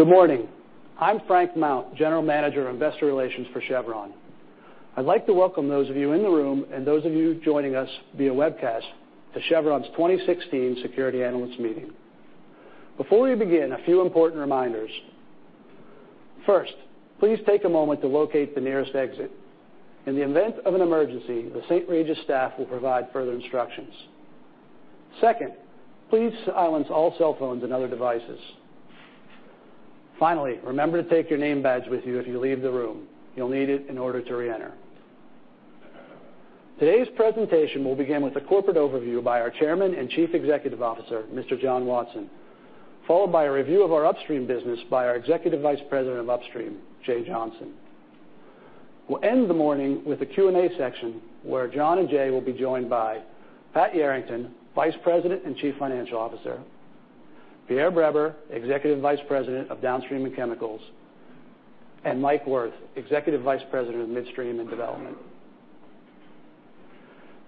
Good morning. I'm Frank Mount, General Manager of Investor Relations for Chevron. I'd like to welcome those of you in the room and those of you joining us via webcast to Chevron's 2016 Security Analyst Meeting. Before we begin, a few important reminders. First, please take a moment to locate the nearest exit. In the event of an emergency, the St. Regis staff will provide further instructions. Second, please silence all cell phones and other devices. Finally, remember to take your name badge with you if you leave the room. You'll need it in order to reenter. Today's presentation will begin with a corporate overview by our Chairman and Chief Executive Officer, Mr. John Watson, followed by a review of our upstream business by our Executive Vice President of Upstream, Jay Johnson. We'll end the morning with a Q&A section where John and Jay will be joined by Pat Yarrington, Vice President and Chief Financial Officer, Pierre Breber, Executive Vice President of Downstream and Chemicals, and Mike Wirth, Executive Vice President of Midstream and Development.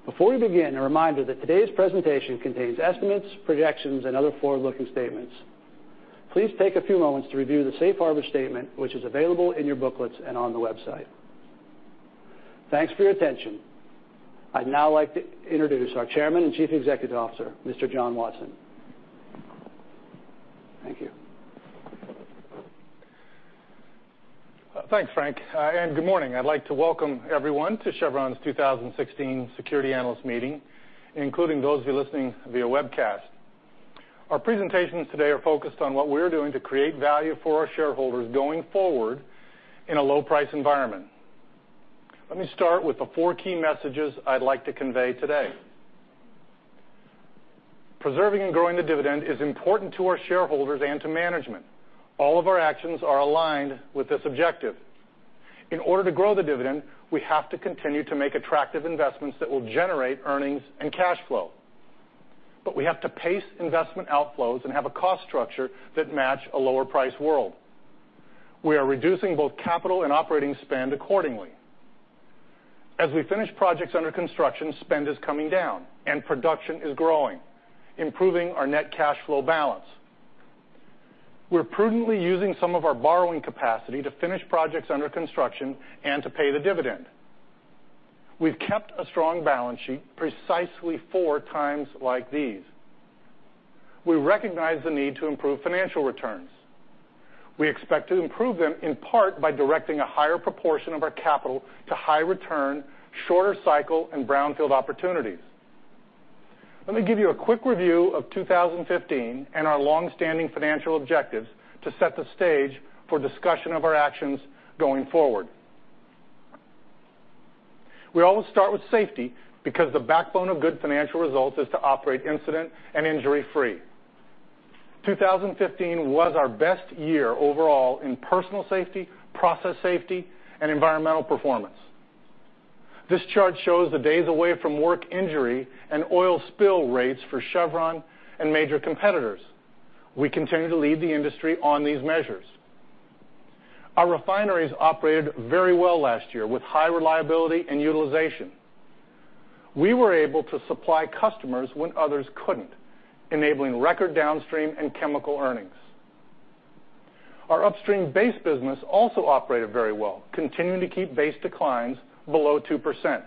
Before we begin, a reminder that today's presentation contains estimates, projections, and other forward-looking statements. Please take a few moments to review the safe harbor statement, which is available in your booklets and on the website. Thanks for your attention. I'd now like to introduce our Chairman and Chief Executive Officer, Mr. John Watson. Thank you. Thanks, Frank, and good morning. I'd like to welcome everyone to Chevron's 2016 Securities Analyst Meeting, including those of you listening via webcast. Our presentations today are focused on what we're doing to create value for our shareholders going forward in a low-price environment. Let me start with the four key messages I'd like to convey today. Preserving and growing the dividend is important to our shareholders and to management. All of our actions are aligned with this objective. In order to grow the dividend, we have to continue to make attractive investments that will generate earnings and cash flow. We have to pace investment outflows and have a cost structure that match a lower price world. We are reducing both capital and operating spend accordingly. As we finish projects under construction, spend is coming down and production is growing, improving our net cash flow balance. We're prudently using some of our borrowing capacity to finish projects under construction and to pay the dividend. We've kept a strong balance sheet precisely for times like these. We recognize the need to improve financial returns. We expect to improve them in part by directing a higher proportion of our capital to high return, shorter cycle, and brownfield opportunities. Let me give you a quick review of 2015 and our long-standing financial objectives to set the stage for discussion of our actions going forward. We always start with safety because the backbone of good financial results is to operate incident and injury-free. 2015 was our best year overall in personal safety, process safety, and environmental performance. This chart shows the days away from work injury and oil spill rates for Chevron and major competitors. We continue to lead the industry on these measures. Our refineries operated very well last year with high reliability and utilization. We were able to supply customers when others couldn't, enabling record Downstream and Chemicals earnings. Our Upstream base business also operated very well, continuing to keep base declines below 2%.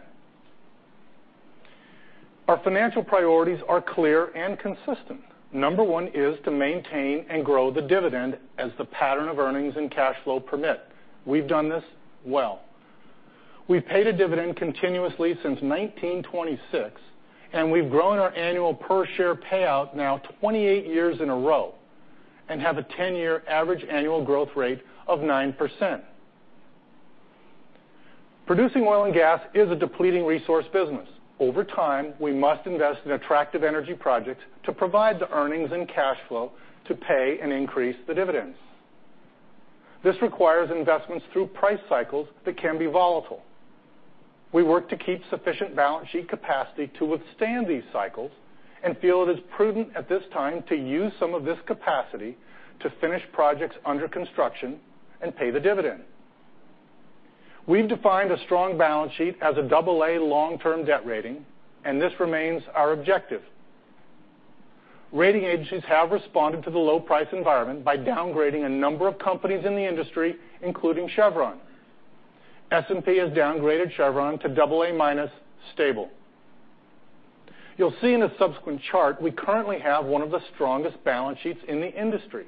Our financial priorities are clear and consistent. Number 1 is to maintain and grow the dividend as the pattern of earnings and cash flow permit. We've done this well. We've paid a dividend continuously since 1926, and we've grown our annual per-share payout now 28 years in a row and have a 10-year average annual growth rate of 9%. Producing oil and gas is a depleting resource business. Over time, we must invest in attractive energy projects to provide the earnings and cash flow to pay and increase the dividends. This requires investments through price cycles that can be volatile. We work to keep sufficient balance sheet capacity to withstand these cycles and feel it is prudent at this time to use some of this capacity to finish projects under construction and pay the dividend. We've defined a strong balance sheet as an AA long-term debt rating, and this remains our objective. Rating agencies have responded to the low price environment by downgrading a number of companies in the industry, including Chevron. S&P has downgraded Chevron to AA- stable. You'll see in a subsequent chart we currently have one of the strongest balance sheets in the industry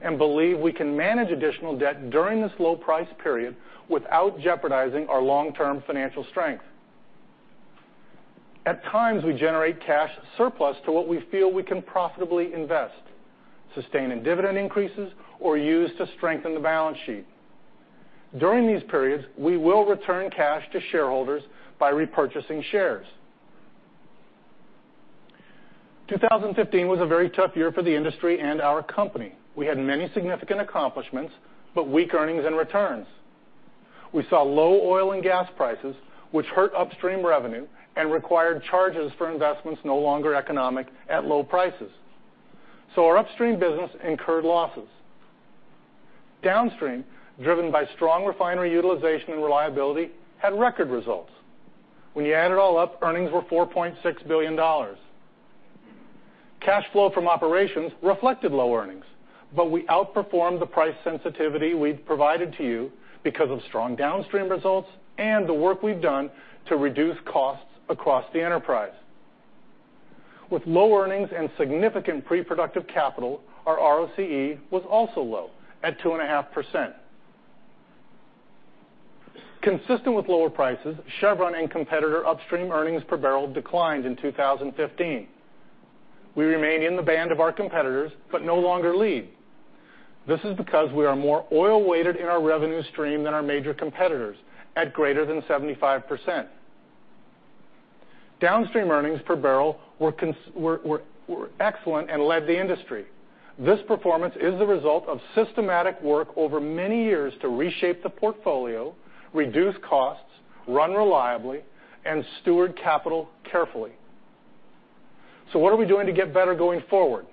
and believe we can manage additional debt during this low price period without jeopardizing our long-term financial strength. At times, we generate cash surplus to what we feel we can profitably invest, sustain in dividend increases, or use to strengthen the balance sheet. During these periods, we will return cash to shareholders by repurchasing shares. 2015 was a very tough year for the industry and our company. We had many significant accomplishments, but weak earnings and returns. We saw low oil and gas prices, which hurt Upstream revenue and required charges for investments no longer economic at low prices. Our Upstream business incurred losses. Downstream, driven by strong refinery utilization and reliability, had record results. When you add it all up, earnings were $4.6 billion. Cash flow from operations reflected low earnings, but we outperformed the price sensitivity we'd provided to you because of strong Downstream results and the work we've done to reduce costs across the enterprise. With low earnings and significant pre-productive capital, our ROCE was also low at 2.5%. Consistent with lower prices, Chevron and competitor Upstream earnings per barrel declined in 2015. We remain in the band of our competitors, but no longer lead. This is because we are more oil-weighted in our revenue stream than our major competitors at greater than 75%. Downstream earnings per barrel were excellent and led the industry. This performance is the result of systematic work over many years to reshape the portfolio, reduce costs, run reliably, and steward capital carefully. What are we doing to get better going forward?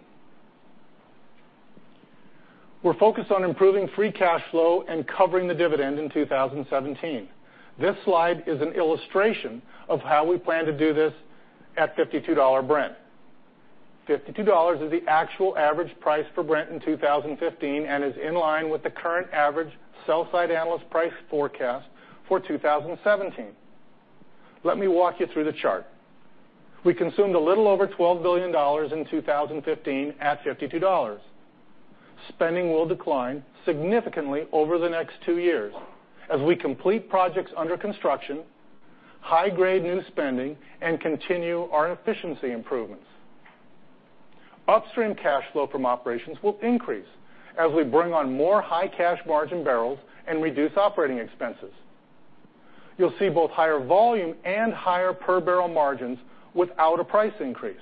We're focused on improving free cash flow and covering the dividend in 2017. This slide is an illustration of how we plan to do this at $52 Brent. $52 is the actual average price for Brent in 2015 and is in line with the current average sell side analyst price forecast for 2017. Let me walk you through the chart. We consumed a little over $12 billion in 2015 at $52. Spending will decline significantly over the next two years as we complete projects under construction, high-grade new spending, and continue our efficiency improvements. Upstream cash flow from operations will increase as we bring on more high cash margin barrels and reduce operating expenses. You'll see both higher volume and higher per barrel margins without a price increase.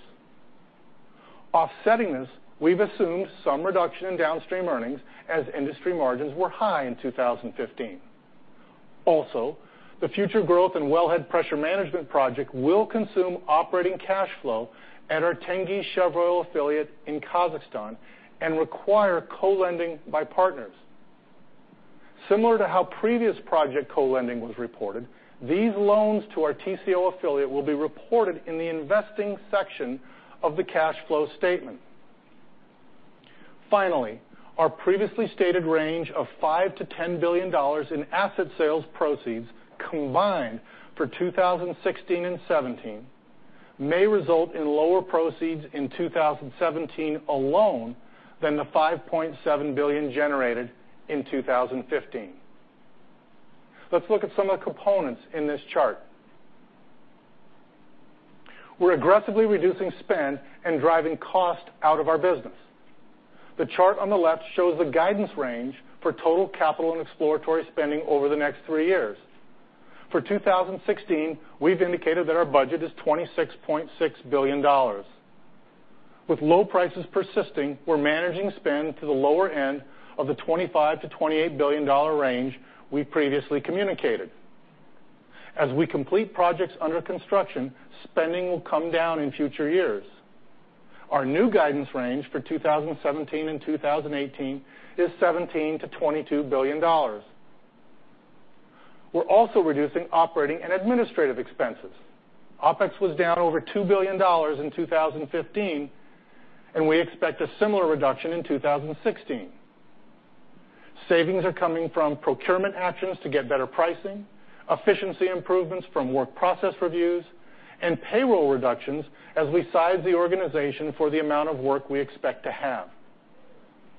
Offsetting this, we've assumed some reduction in downstream earnings as industry margins were high in 2015. Also, the Future Growth and Wellhead Pressure Management Project will consume operating cash flow at our Tengizchevroil affiliate in Kazakhstan and require co-lending by partners. Similar to how previous project co-lending was reported, these loans to our TCO affiliate will be reported in the investing section of the cash flow statement. Our previously stated range of $5 billion-$10 billion in asset sales proceeds combined for 2016 and 2017 may result in lower proceeds in 2017 alone than the $5.7 billion generated in 2015. Let's look at some of the components in this chart. We're aggressively reducing spend and driving cost out of our business. The chart on the left shows the guidance range for total capital and exploratory spending over the next three years. For 2016, we've indicated that our budget is $26.6 billion. With low prices persisting, we're managing spend to the lower end of the $25 billion-$28 billion range we previously communicated. As we complete projects under construction, spending will come down in future years. Our new guidance range for 2017 and 2018 is $17 billion-$22 billion. We're also reducing operating and administrative expenses. OpEx was down over $2 billion in 2015, and we expect a similar reduction in 2016. Savings are coming from procurement actions to get better pricing, efficiency improvements from work process reviews, and payroll reductions as we size the organization for the amount of work we expect to have.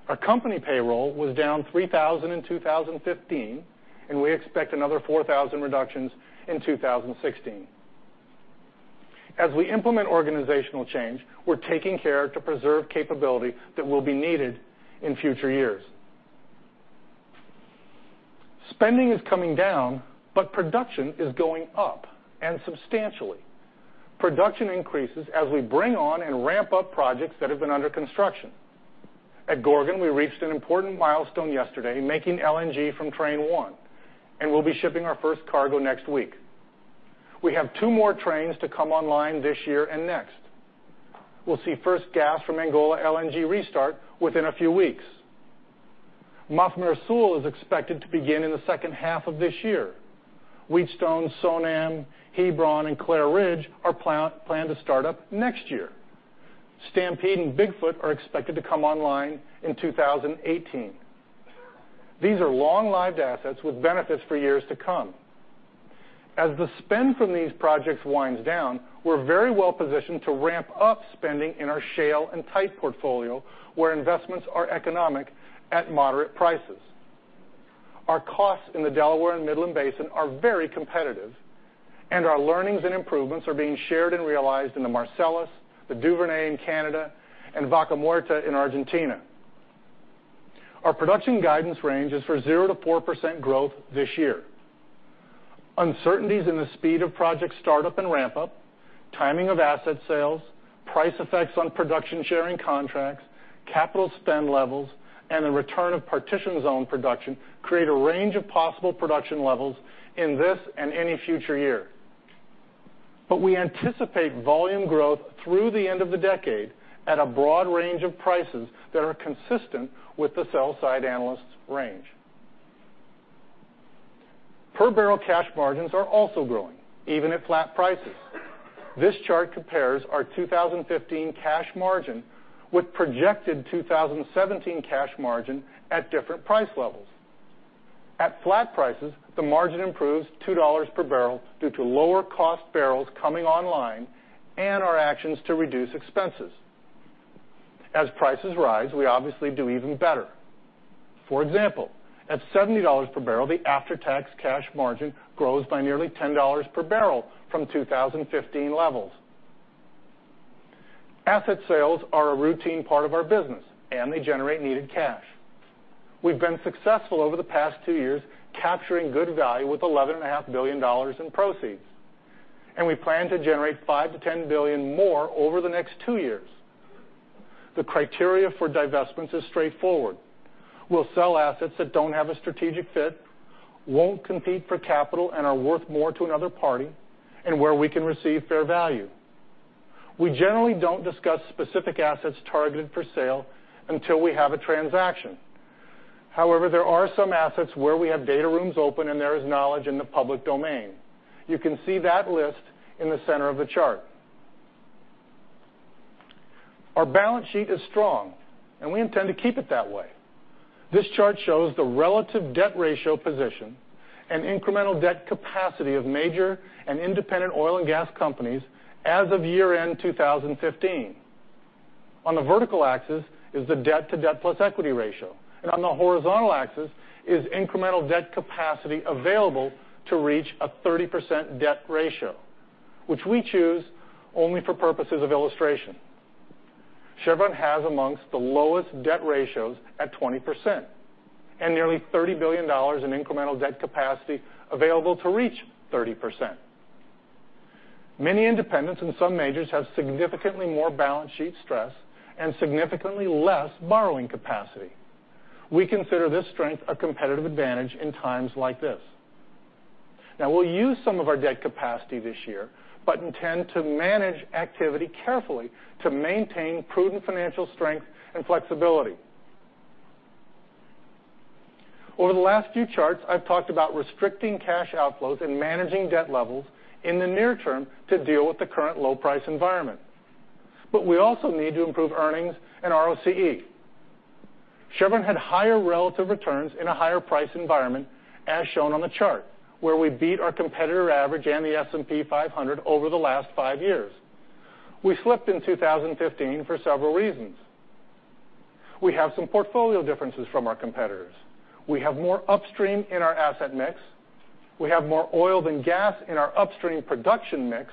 Our company payroll was down 3,000 in 2015, and we expect another 4,000 reductions in 2016. As we implement organizational change, we're taking care to preserve capability that will be needed in future years. Production is going up and substantially. Production increases as we bring on and ramp up projects that have been under construction. At Gorgon, we reached an important milestone yesterday, making LNG from train 1, and we'll be shipping our first cargo next week. We have two more trains to come online this year and next. We'll see first gas from Angola LNG restart within a few weeks. Mafumeira Sul is expected to begin in the second half of this year. Wheatstone, Sonam, Hebron, and Clair Ridge are planned to start up next year. Stampede and Big Foot are expected to come online in 2018. These are long-lived assets with benefits for years to come. As the spend from these projects winds down, we're very well positioned to ramp up spending in our shale and tight portfolio, where investments are economic at moderate prices. Our costs in the Delaware and Midland Basin are very competitive, and our learnings and improvements are being shared and realized in the Marcellus, the Duvernay in Canada, and Vaca Muerta in Argentina. Our production guidance range is for 0%-4% growth this year. Uncertainties in the speed of project startup and ramp-up, timing of asset sales, price effects on production sharing contracts, capital spend levels, and the return of partition zone production create a range of possible production levels in this and any future year. We anticipate volume growth through the end of the decade at a broad range of prices that are consistent with the sell side analyst range. Per barrel cash margins are also growing, even at flat prices. This chart compares our 2015 cash margin with projected 2017 cash margin at different price levels. At flat prices, the margin improves $2 per barrel due to lower cost barrels coming online and our actions to reduce expenses. As prices rise, we obviously do even better. For example, at $70 per barrel, the after-tax cash margin grows by nearly $10 per barrel from 2015 levels. Asset sales are a routine part of our business, and they generate needed cash. We've been successful over the past two years, capturing good value with $11.5 billion in proceeds. We plan to generate $5 billion-$10 billion more over the next two years. The criteria for divestments is straightforward. We'll sell assets that don't have a strategic fit, won't compete for capital, and are worth more to another party, and where we can receive fair value. We generally don't discuss specific assets targeted for sale until we have a transaction. However, there are some assets where we have data rooms open and there is knowledge in the public domain. You can see that list in the center of the chart. Our balance sheet is strong, and we intend to keep it that way. This chart shows the relative debt ratio position and incremental debt capacity of major and independent oil and gas companies as of year-end 2015. On the vertical axis is the debt to debt plus equity ratio, and on the horizontal axis is incremental debt capacity available to reach a 30% debt ratio, which we choose only for purposes of illustration. Chevron has amongst the lowest debt ratios at 20%, and nearly $30 billion in incremental debt capacity available to reach 30%. Many independents and some majors have significantly more balance sheet stress and significantly less borrowing capacity. We consider this strength a competitive advantage in times like this. Now we'll use some of our debt capacity this year, but intend to manage activity carefully to maintain prudent financial strength and flexibility. Over the last few charts, I've talked about restricting cash outflows and managing debt levels in the near term to deal with the current low price environment. We also need to improve earnings and ROCE. Chevron had higher relative returns in a higher price environment, as shown on the chart, where we beat our competitor average and the S&P 500 over the last five years. We slipped in 2015 for several reasons. We have some portfolio differences from our competitors. We have more upstream in our asset mix, we have more oil than gas in our upstream production mix,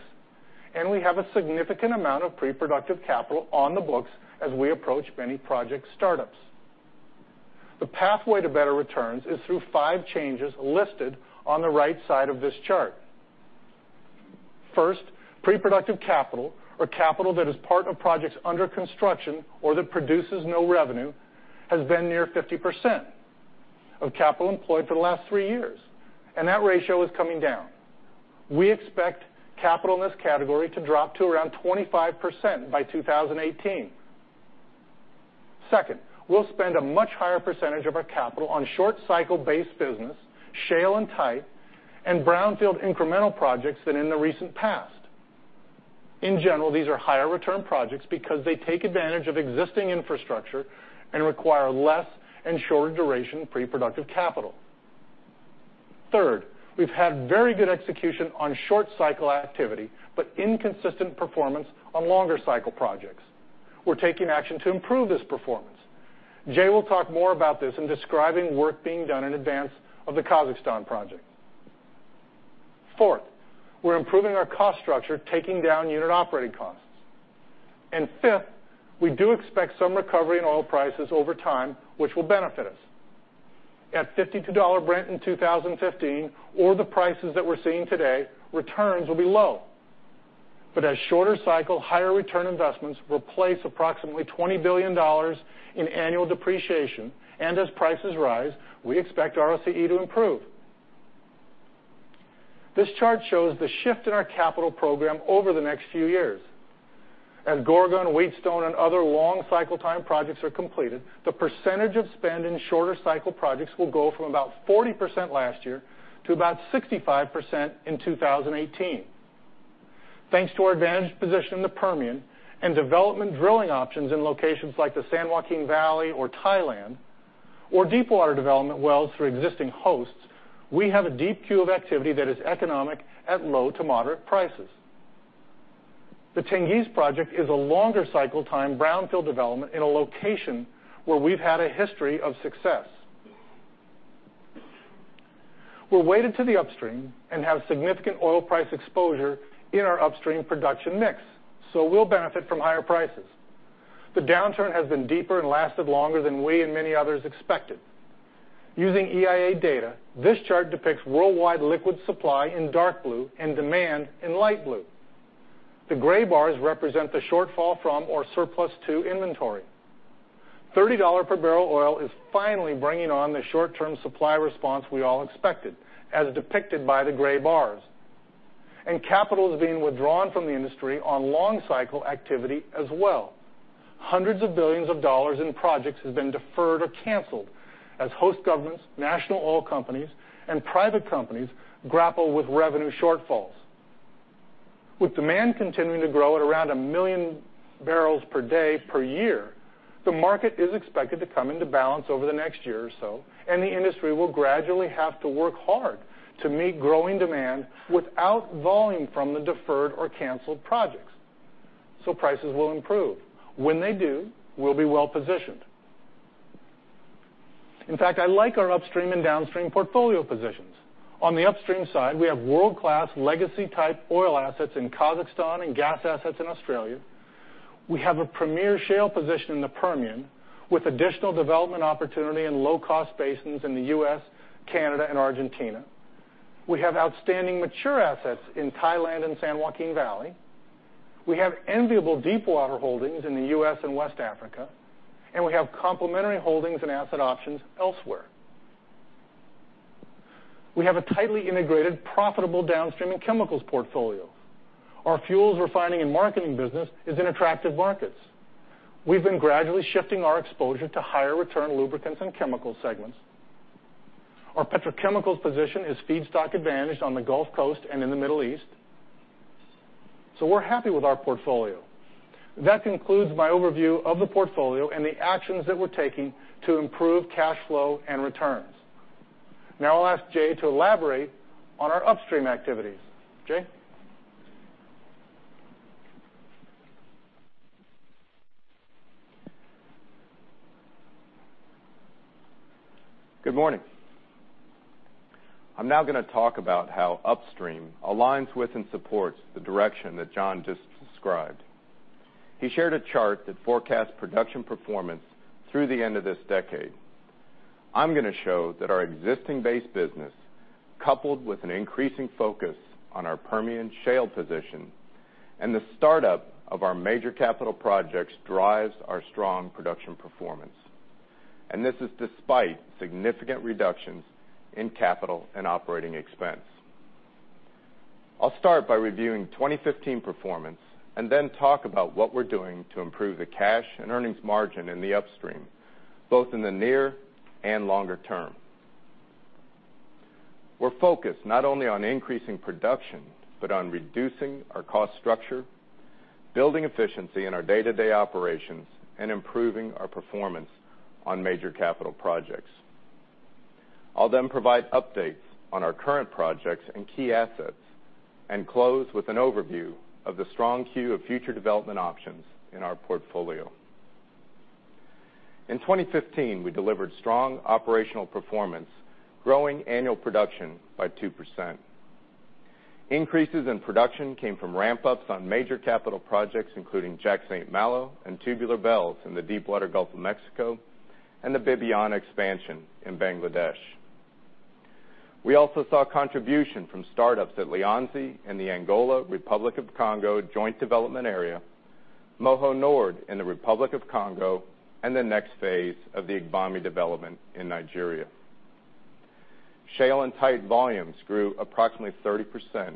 and we have a significant amount of pre-productive capital on the books as we approach many project startups. The pathway to better returns is through five changes listed on the right side of this chart. First, pre-productive capital, or capital that is part of projects under construction or that produces no revenue, has been near 50% of capital employed for the last three years, and that ratio is coming down. We expect capital in this category to drop to around 25% by 2018. Second, we'll spend a much higher percentage of our capital on short cycle-based business, shale and tight, and brownfield incremental projects than in the recent past. In general, these are higher return projects because they take advantage of existing infrastructure and require less and shorter duration pre-productive capital. Third, we've had very good execution on short cycle activity, but inconsistent performance on longer cycle projects. We're taking action to improve this performance. Jay will talk more about this in describing work being done in advance of the Kazakhstan project. Fourth, we're improving our cost structure, taking down unit operating costs. Fifth, we do expect some recovery in oil prices over time, which will benefit us. At $52 Brent in 2015, or the prices that we're seeing today, returns will be low. As shorter cycle, higher return investments replace approximately $20 billion in annual depreciation, and as prices rise, we expect ROCE to improve. This chart shows the shift in our capital program over the next few years. As Gorgon, Wheatstone, and other long cycle time projects are completed, the percentage of spend in shorter cycle projects will go from about 40% last year to about 65% in 2018. Thanks to our advantaged position in the Permian and development drilling options in locations like the San Joaquin Valley or Thailand, or deepwater development wells through existing hosts, we have a deep queue of activity that is economic at low to moderate prices. The Tengiz project is a longer cycle time brownfield development in a location where we've had a history of success. We're weighted to the upstream and have significant oil price exposure in our upstream production mix, so we'll benefit from higher prices. The downturn has been deeper and lasted longer than we and many others expected. Using EIA data, this chart depicts worldwide liquid supply in dark blue and demand in light blue. The gray bars represent the shortfall from or surplus to inventory. $30 per barrel oil is finally bringing on the short-term supply response we all expected, as depicted by the gray bars. Capital is being withdrawn from the industry on long cycle activity as well. Hundreds of billions of dollars in projects has been deferred or canceled as host governments, national oil companies, and private companies grapple with revenue shortfalls. With demand continuing to grow at around 1 million barrels per day per year, the market is expected to come into balance over the next year or so, and the industry will gradually have to work hard to meet growing demand without volume from the deferred or canceled projects. Prices will improve. When they do, we'll be well-positioned. In fact, I like our upstream and downstream portfolio positions. On the upstream side, we have world-class legacy-type oil assets in Kazakhstan and gas assets in Australia. We have a premier shale position in the Permian, with additional development opportunity in low-cost basins in the U.S., Canada, and Argentina. We have outstanding mature assets in Thailand and San Joaquin Valley. We have enviable deepwater holdings in the U.S. and West Africa, and we have complementary holdings and asset options elsewhere. We have a tightly integrated, profitable downstream and chemicals portfolio. Our fuels refining and marketing business is in attractive markets. We've been gradually shifting our exposure to higher return lubricants and chemical segments. Our petrochemicals position is feedstock advantaged on the Gulf Coast and in the Middle East. We're happy with our portfolio. That concludes my overview of the portfolio and the actions that we're taking to improve cash flow and returns. I'll ask Jay to elaborate on our upstream activities. Jay? Good morning. I'm now going to talk about how upstream aligns with and supports the direction that John just described. He shared a chart that forecasts production performance through the end of this decade. I'm going to show that our existing base business, coupled with an increasing focus on our Permian shale position and the startup of our major capital projects, drives our strong production performance. This is despite significant reductions in capital and operating expense. I'll start by reviewing 2015 performance and then talk about what we're doing to improve the cash and earnings margin in the upstream, both in the near and longer term. We're focused not only on increasing production, but on reducing our cost structure, building efficiency in our day-to-day operations, and improving our performance on major capital projects. I'll provide updates on our current projects and key assets and close with an overview of the strong queue of future development options in our portfolio. In 2015, we delivered strong operational performance, growing annual production by 2%. Increases in production came from ramp-ups on major capital projects, including Jack/St. Malo and Tubular Bells in the deepwater Gulf of Mexico and the Bibiyana expansion in Bangladesh. We also saw contribution from startups at Lianzi in the Angola-Republic of Congo Joint Development Area, Moho Nord in the Republic of Congo, and the next phase of the Agbami development in Nigeria. Shale and tight volumes grew approximately 30%,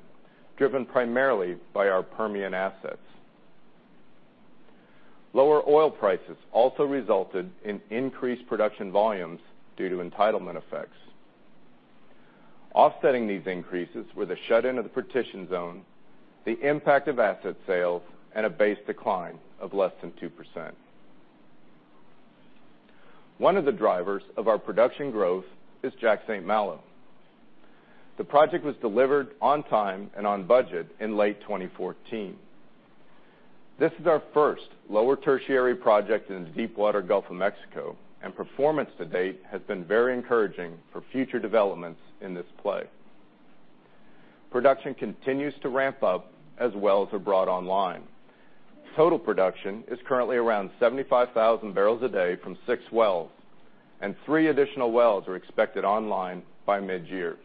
driven primarily by our Permian assets. Lower oil prices also resulted in increased production volumes due to entitlement effects. Offsetting these increases were the shut-in of the Partitioned Zone, the impact of asset sales, and a base decline of less than 2%. One of the drivers of our production growth is Jack/St. Malo. The project was delivered on time and on budget in late 2014. This is our first lower tertiary project in the deepwater Gulf of Mexico, and performance to date has been very encouraging for future developments in this play. Production continues to ramp up as wells are brought online. Total production is currently around 75,000 barrels a day from six wells, and three additional wells are expected online by mid-year.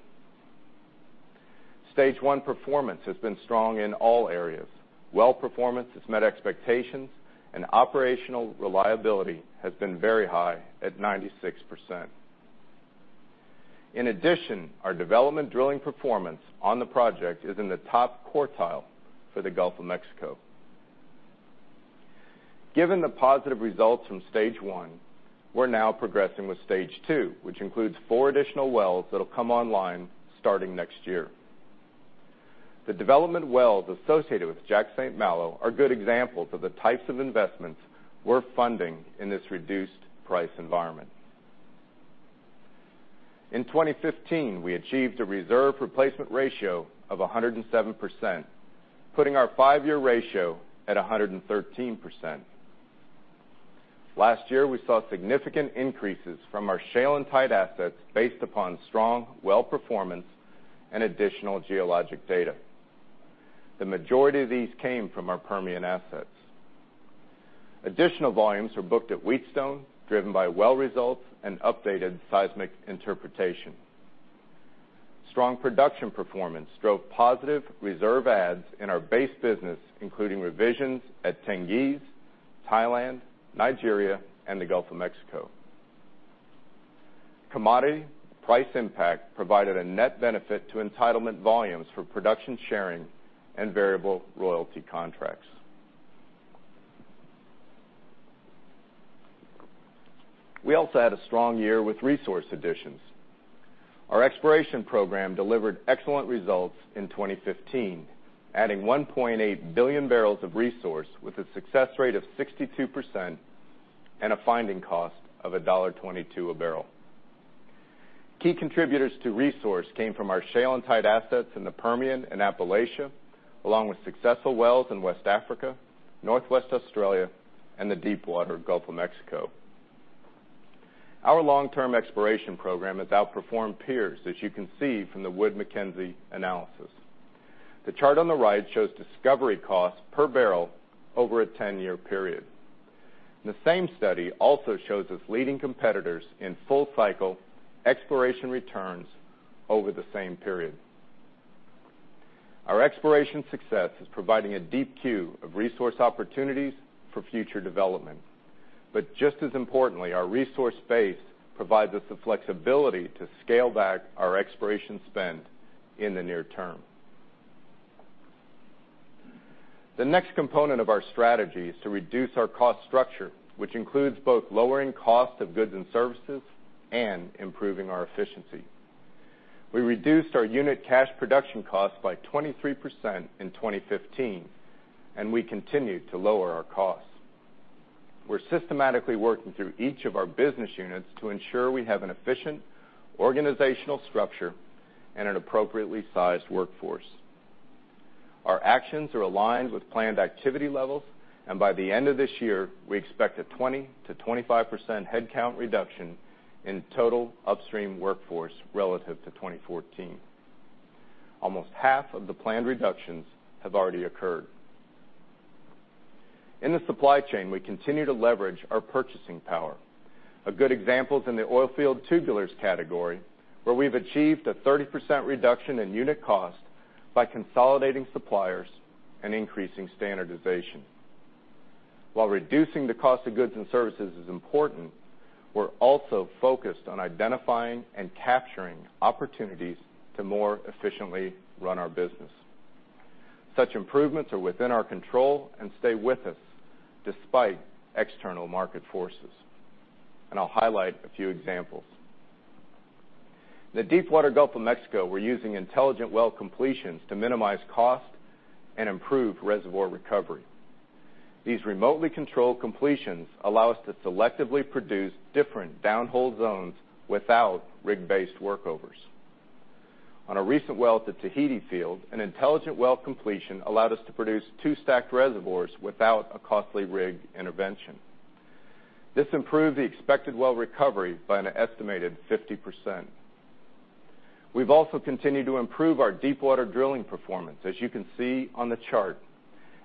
Stage 1 performance has been strong in all areas. Well performance has met expectations, and operational reliability has been very high at 96%. In addition, our development drilling performance on the project is in the top quartile for the Gulf of Mexico. Given the positive results from stage 1, we're now progressing with stage 2, which includes four additional wells that will come online starting next year. The development wells associated with Jack/St. Malo are good examples of the types of investments we're funding in this reduced price environment. In 2015, we achieved a reserve replacement ratio of 107%, putting our five-year ratio at 113%. Last year, we saw significant increases from our shale and tight assets based upon strong well performance and additional geologic data. The majority of these came from our Permian assets. Additional volumes were booked at Wheatstone, driven by well results and updated seismic interpretation. Strong production performance drove positive reserve adds in our base business, including revisions at Tengiz, Thailand, Nigeria, and the Gulf of Mexico. Commodity price impact provided a net benefit to entitlement volumes for production sharing and variable royalty contracts. We also had a strong year with resource additions. Our exploration program delivered excellent results in 2015, adding 1.8 billion barrels of resource with a success rate of 62% and a finding cost of $1.22 a barrel. Key contributors to resource came from our shale and tight assets in the Permian and Appalachia, along with successful wells in West Africa, Northwest Australia, and the deepwater Gulf of Mexico. Our long-term exploration program has outperformed peers, as you can see from the Wood Mackenzie analysis. The chart on the right shows discovery costs per barrel over a 10-year period. The same study also shows us leading competitors in full cycle exploration returns over the same period. Just as importantly, our resource base provides us the flexibility to scale back our exploration spend in the near term. The next component of our strategy is to reduce our cost structure, which includes both lowering cost of goods and services and improving our efficiency. We reduced our unit cash production cost by 23% in 2015, and we continue to lower our costs. We're systematically working through each of our business units to ensure we have an efficient organizational structure and an appropriately sized workforce. Our actions are aligned with planned activity levels, and by the end of this year, we expect a 20%-25% headcount reduction in total upstream workforce relative to 2014. Almost half of the planned reductions have already occurred. In the supply chain, we continue to leverage our purchasing power. A good example is in the oilfield tubulars category, where we've achieved a 30% reduction in unit cost by consolidating suppliers and increasing standardization. While reducing the cost of goods and services is important, we're also focused on identifying and capturing opportunities to more efficiently run our business. Such improvements are within our control and stay with us despite external market forces. I'll highlight a few examples. In the deepwater Gulf of Mexico, we're using intelligent well completions to minimize cost and improve reservoir recovery. These remotely controlled completions allow us to selectively produce different downhole zones without rig-based workovers. On a recent well at Tahiti Field, an intelligent well completion allowed us to produce two stacked reservoirs without a costly rig intervention. This improved the expected well recovery by an estimated 50%. We've also continued to improve our deepwater drilling performance, as you can see on the chart,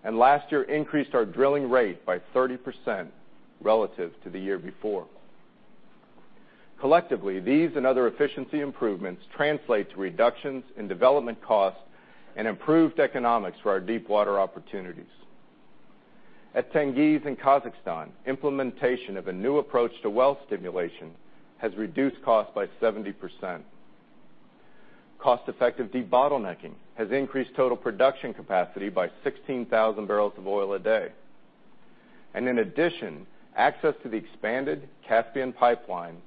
and last year increased our drilling rate by 30% relative to the year before. Collectively, these and other efficiency improvements translate to reductions in development cost and improved economics for our deepwater opportunities. At Tengiz in Kazakhstan, implementation of a new approach to well stimulation has reduced cost by 70%. Cost-effective debottlenecking has increased total production capacity by 16,000 barrels of oil a day. In addition, access to the expanded Caspian pipeline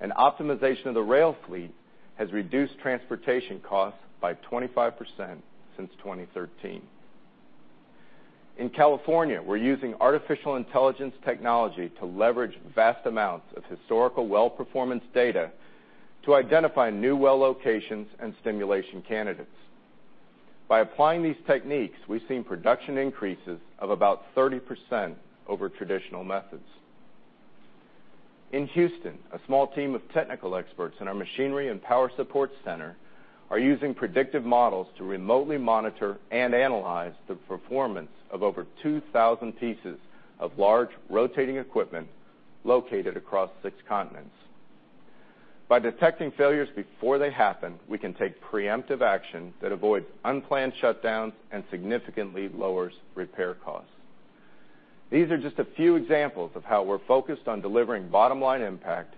and optimization of the rail fleet has reduced transportation costs by 25% since 2013. In California, we're using artificial intelligence technology to leverage vast amounts of historical well performance data to identify new well locations and stimulation candidates. By applying these techniques, we've seen production increases of about 30% over traditional methods. In Houston, a small team of technical experts in our machinery and power support center are using predictive models to remotely monitor and analyze the performance of over 2,000 pieces of large rotating equipment located across six continents. By detecting failures before they happen, we can take preemptive action that avoids unplanned shutdowns and significantly lowers repair costs. These are just a few examples of how we're focused on delivering bottom-line impact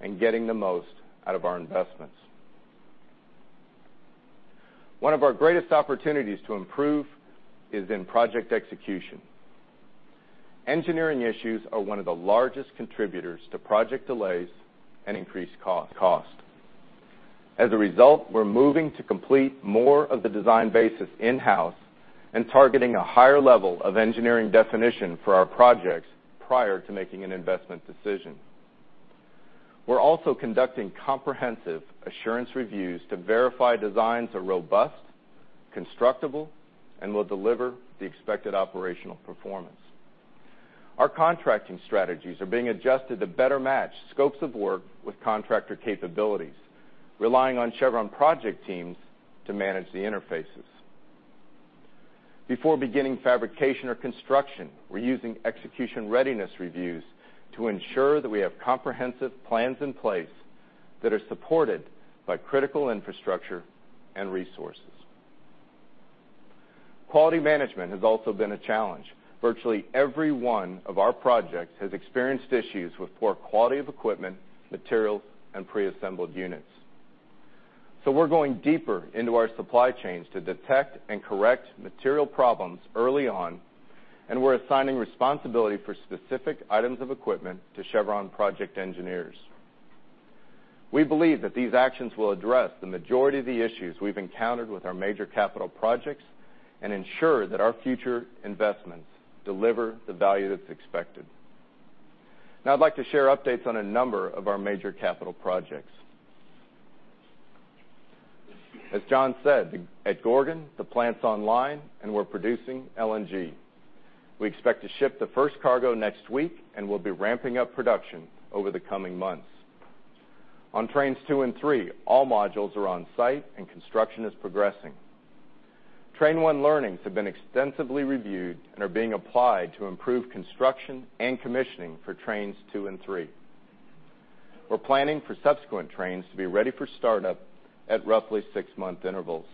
and getting the most out of our investments. One of our greatest opportunities to improve is in project execution. Engineering issues are one of the largest contributors to project delays and increased cost. As a result, we're moving to complete more of the design basis in-house and targeting a higher level of engineering definition for our projects prior to making an investment decision. We're also conducting comprehensive assurance reviews to verify designs are robust, constructable, and will deliver the expected operational performance. Our contracting strategies are being adjusted to better match scopes of work with contractor capabilities, relying on Chevron project teams to manage the interfaces. Before beginning fabrication or construction, we're using execution readiness reviews to ensure that we have comprehensive plans in place that are supported by critical infrastructure and resources. Quality management has also been a challenge. Virtually every one of our projects has experienced issues with poor quality of equipment, materials, and preassembled units. We're going deeper into our supply chains to detect and correct material problems early on, and we're assigning responsibility for specific items of equipment to Chevron project engineers. We believe that these actions will address the majority of the issues we've encountered with our major capital projects and ensure that our future investments deliver the value that's expected. Now I'd like to share updates on a number of our major capital projects. As John said, at Gorgon, the plant's online, and we're producing LNG. We expect to ship the first cargo next week, and we'll be ramping up production over the coming months. On Trains 2 and 3, all modules are on site and construction is progressing. Train 1 learnings have been extensively reviewed and are being applied to improve construction and commissioning for Trains 2 and 3. We're planning for subsequent trains to be ready for startup at roughly six-month intervals.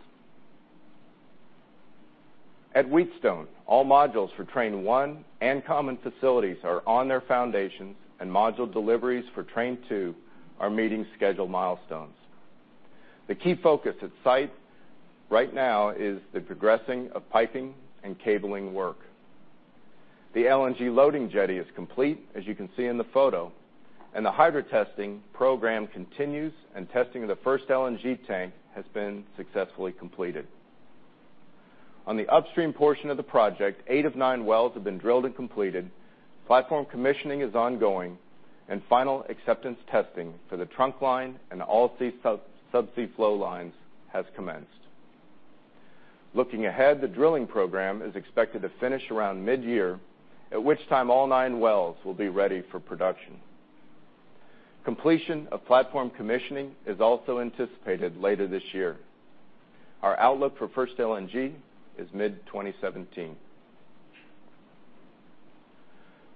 At Wheatstone, all modules for Train 1 and common facilities are on their foundations, and module deliveries for Train 2 are meeting schedule milestones. The key focus at site right now is the progressing of piping and cabling work. The LNG loading jetty is complete, as you can see in the photo, and the hydro testing program continues and testing of the first LNG tank has been successfully completed. On the upstream portion of the project, eight of nine wells have been drilled and completed, platform commissioning is ongoing, and final acceptance testing for the trunk line and all subsea flow lines has commenced. Looking ahead, the drilling program is expected to finish around mid-year, at which time all nine wells will be ready for production. Completion of platform commissioning is also anticipated later this year. Our outlook for first LNG is mid-2017.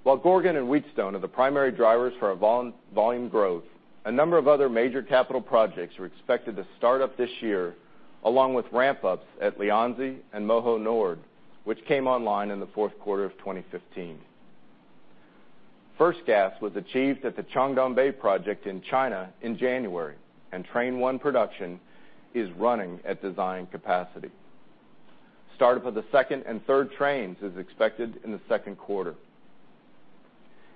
While Gorgon and Wheatstone are the primary drivers for our volume growth, a number of other major capital projects are expected to start up this year, along with ramp-ups at Lianzi and Moho Nord, which came online in the fourth quarter of 2015. First gas was achieved at the Chuandongbei project in China in January, and Train 1 production is running at design capacity. Startup of the second and third trains is expected in the second quarter.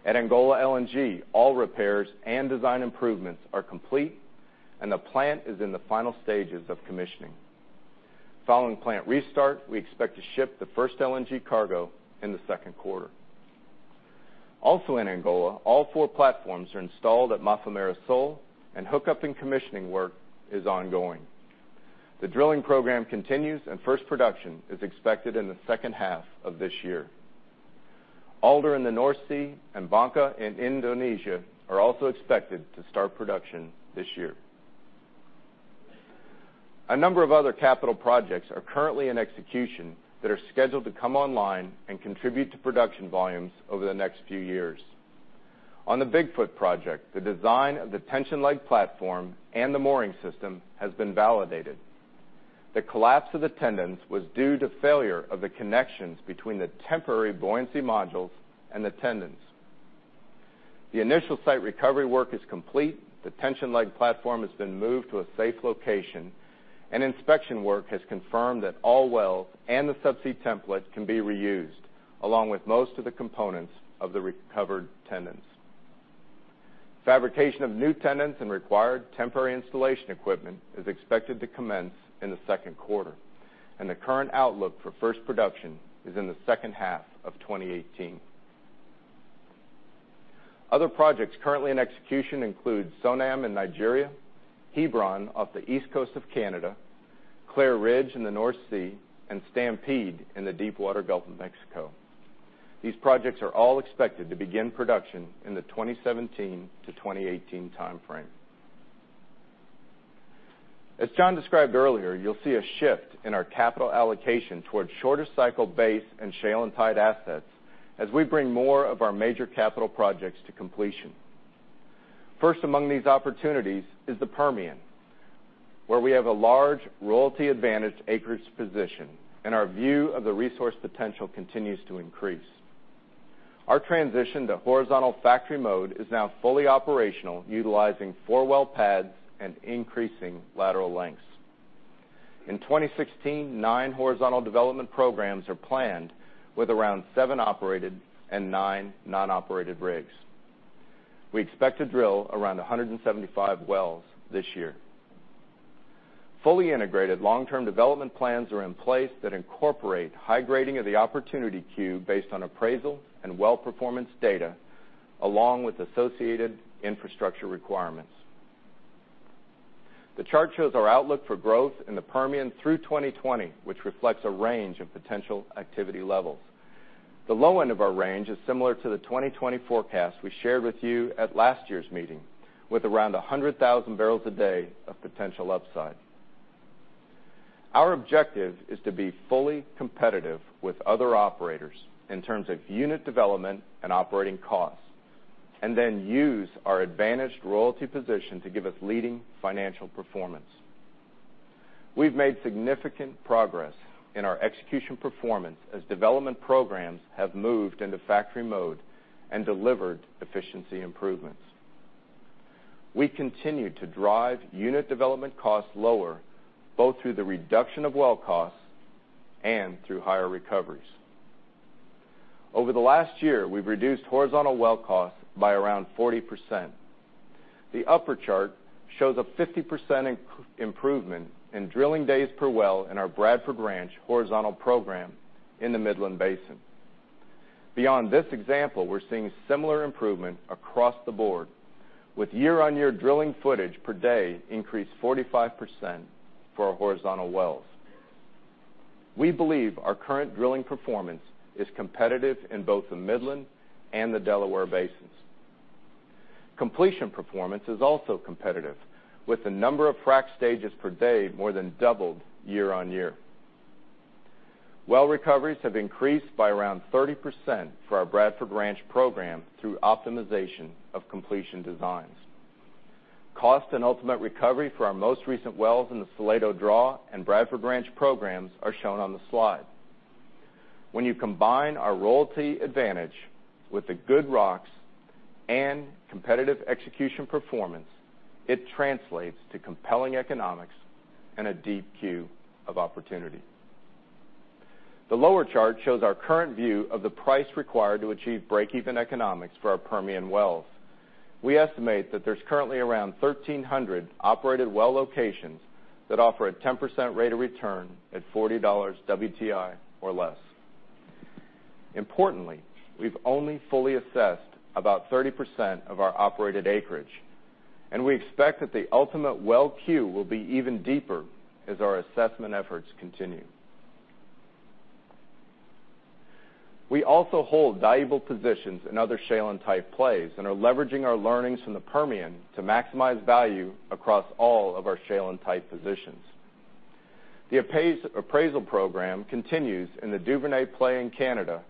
At Angola LNG, all repairs and design improvements are complete, and the plant is in the final stages of commissioning. Following plant restart, we expect to ship the first LNG cargo in the second quarter. Also in Angola, all four platforms are installed at Mafumeira Sul, and hookup and commissioning work is ongoing. The drilling program continues, and first production is expected in the second half of this year. Alder in the North Sea and Bangka in Indonesia are also expected to start production this year. A number of other capital projects are currently in execution that are scheduled to come online and contribute to production volumes over the next few years. On the Big Foot project, the design of the tension leg platform and the mooring system has been validated. The collapse of the tendons was due to failure of the connections between the temporary buoyancy modules and the tendons. The initial site recovery work is complete. The tension leg platform has been moved to a safe location, and inspection work has confirmed that all wells and the subsea template can be reused, along with most of the components of the recovered tendons. Fabrication of new tendons and required temporary installation equipment is expected to commence in the second quarter, and the current outlook for first production is in the second half of 2018. Other projects currently in execution include Sonam in Nigeria, Hebron off the east coast of Canada, Clair Ridge in the North Sea, and Stampede in the deepwater Gulf of Mexico. These projects are all expected to begin production in the 2017 to 2018 timeframe. As John described earlier, you'll see a shift in our capital allocation towards shorter cycle base and shale and tight assets as we bring more of our major capital projects to completion. First among these opportunities is the Permian, where we have a large royalty advantage acreage position, and our view of the resource potential continues to increase. Our transition to horizontal factory mode is now fully operational, utilizing four well pads and increasing lateral lengths. In 2016, nine horizontal development programs are planned, with around seven operated and nine non-operated rigs. We expect to drill around 175 wells this year. Fully integrated long-term development plans are in place that incorporate high grading of the opportunity queue based on appraisal and well performance data, along with associated infrastructure requirements. The chart shows our outlook for growth in the Permian through 2020, which reflects a range of potential activity levels. The low end of our range is similar to the 2020 forecast we shared with you at last year's meeting, with around 100,000 barrels a day of potential upside. Our objective is to be fully competitive with other operators in terms of unit development and operating costs. Then use our advantaged royalty position to give us leading financial performance. We've made significant progress in our execution performance as development programs have moved into factory mode and delivered efficiency improvements. We continue to drive unit development costs lower, both through the reduction of well costs and through higher recoveries. Over the last year, we've reduced horizontal well costs by around 40%. The upper chart shows a 50% improvement in drilling days per well in our Bradford Ranch horizontal program in the Midland Basin. Beyond this example, we're seeing similar improvement across the board, with year-on-year drilling footage per day increased 45% for our horizontal wells. We believe our current drilling performance is competitive in both the Midland and the Delaware Basins. Completion performance is also competitive, with the number of frac stages per day more than doubled year-on-year. Well recoveries have increased by around 30% for our Bradford Ranch program through optimization of completion designs. Cost and ultimate recovery for our most recent wells in the Salado Draw and Bradford Ranch programs are shown on the slide. When you combine our royalty advantage with the good rocks and competitive execution performance, it translates to compelling economics and a deep queue of opportunity. The lower chart shows our current view of the price required to achieve break-even economics for our Permian wells. We estimate that there's currently around 1,300 operated well locations that offer a 10% rate of return at $40 WTI or less. Importantly, we've only fully assessed about 30% of our operated acreage, and we expect that the ultimate well queue will be even deeper as our assessment efforts continue. We also hold valuable positions in other shale and tight plays and are leveraging our learnings from the Permian to maximize value across all of our shale and tight positions. The appraisal program continues in the Duvernay play in Canada,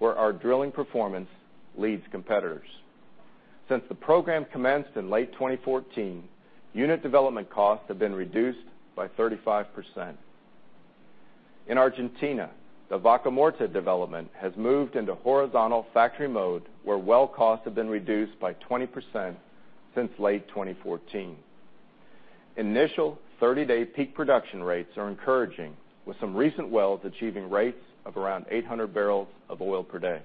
where our drilling performance leads competitors. Since the program commenced in late 2014, unit development costs have been reduced by 35%. In Argentina, the Vaca Muerta development has moved into horizontal factory mode, where well costs have been reduced by 20% since late 2014. Initial 30-day peak production rates are encouraging, with some recent wells achieving rates of around 800 barrels of oil per day.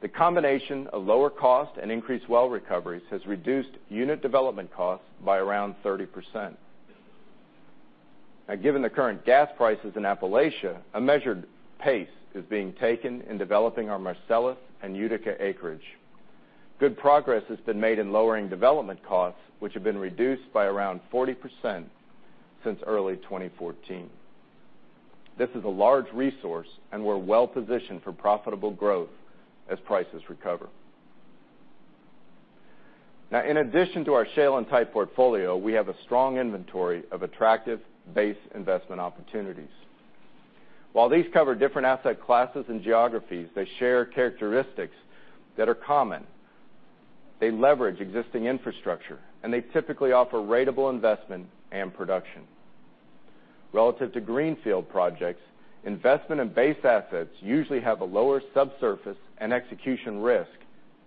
The combination of lower cost and increased well recoveries has reduced unit development costs by around 30%. Given the current gas prices in Appalachia, a measured pace is being taken in developing our Marcellus and Utica acreage. Good progress has been made in lowering development costs, which have been reduced by around 40% since early 2014. This is a large resource, and we're well-positioned for profitable growth as prices recover. In addition to our shale and tight portfolio, we have a strong inventory of attractive base investment opportunities. While these cover different asset classes and geographies, they share characteristics that are common. They leverage existing infrastructure, and they typically offer ratable investment and production. Relative to greenfield projects, investment in base assets usually have a lower subsurface and execution risk,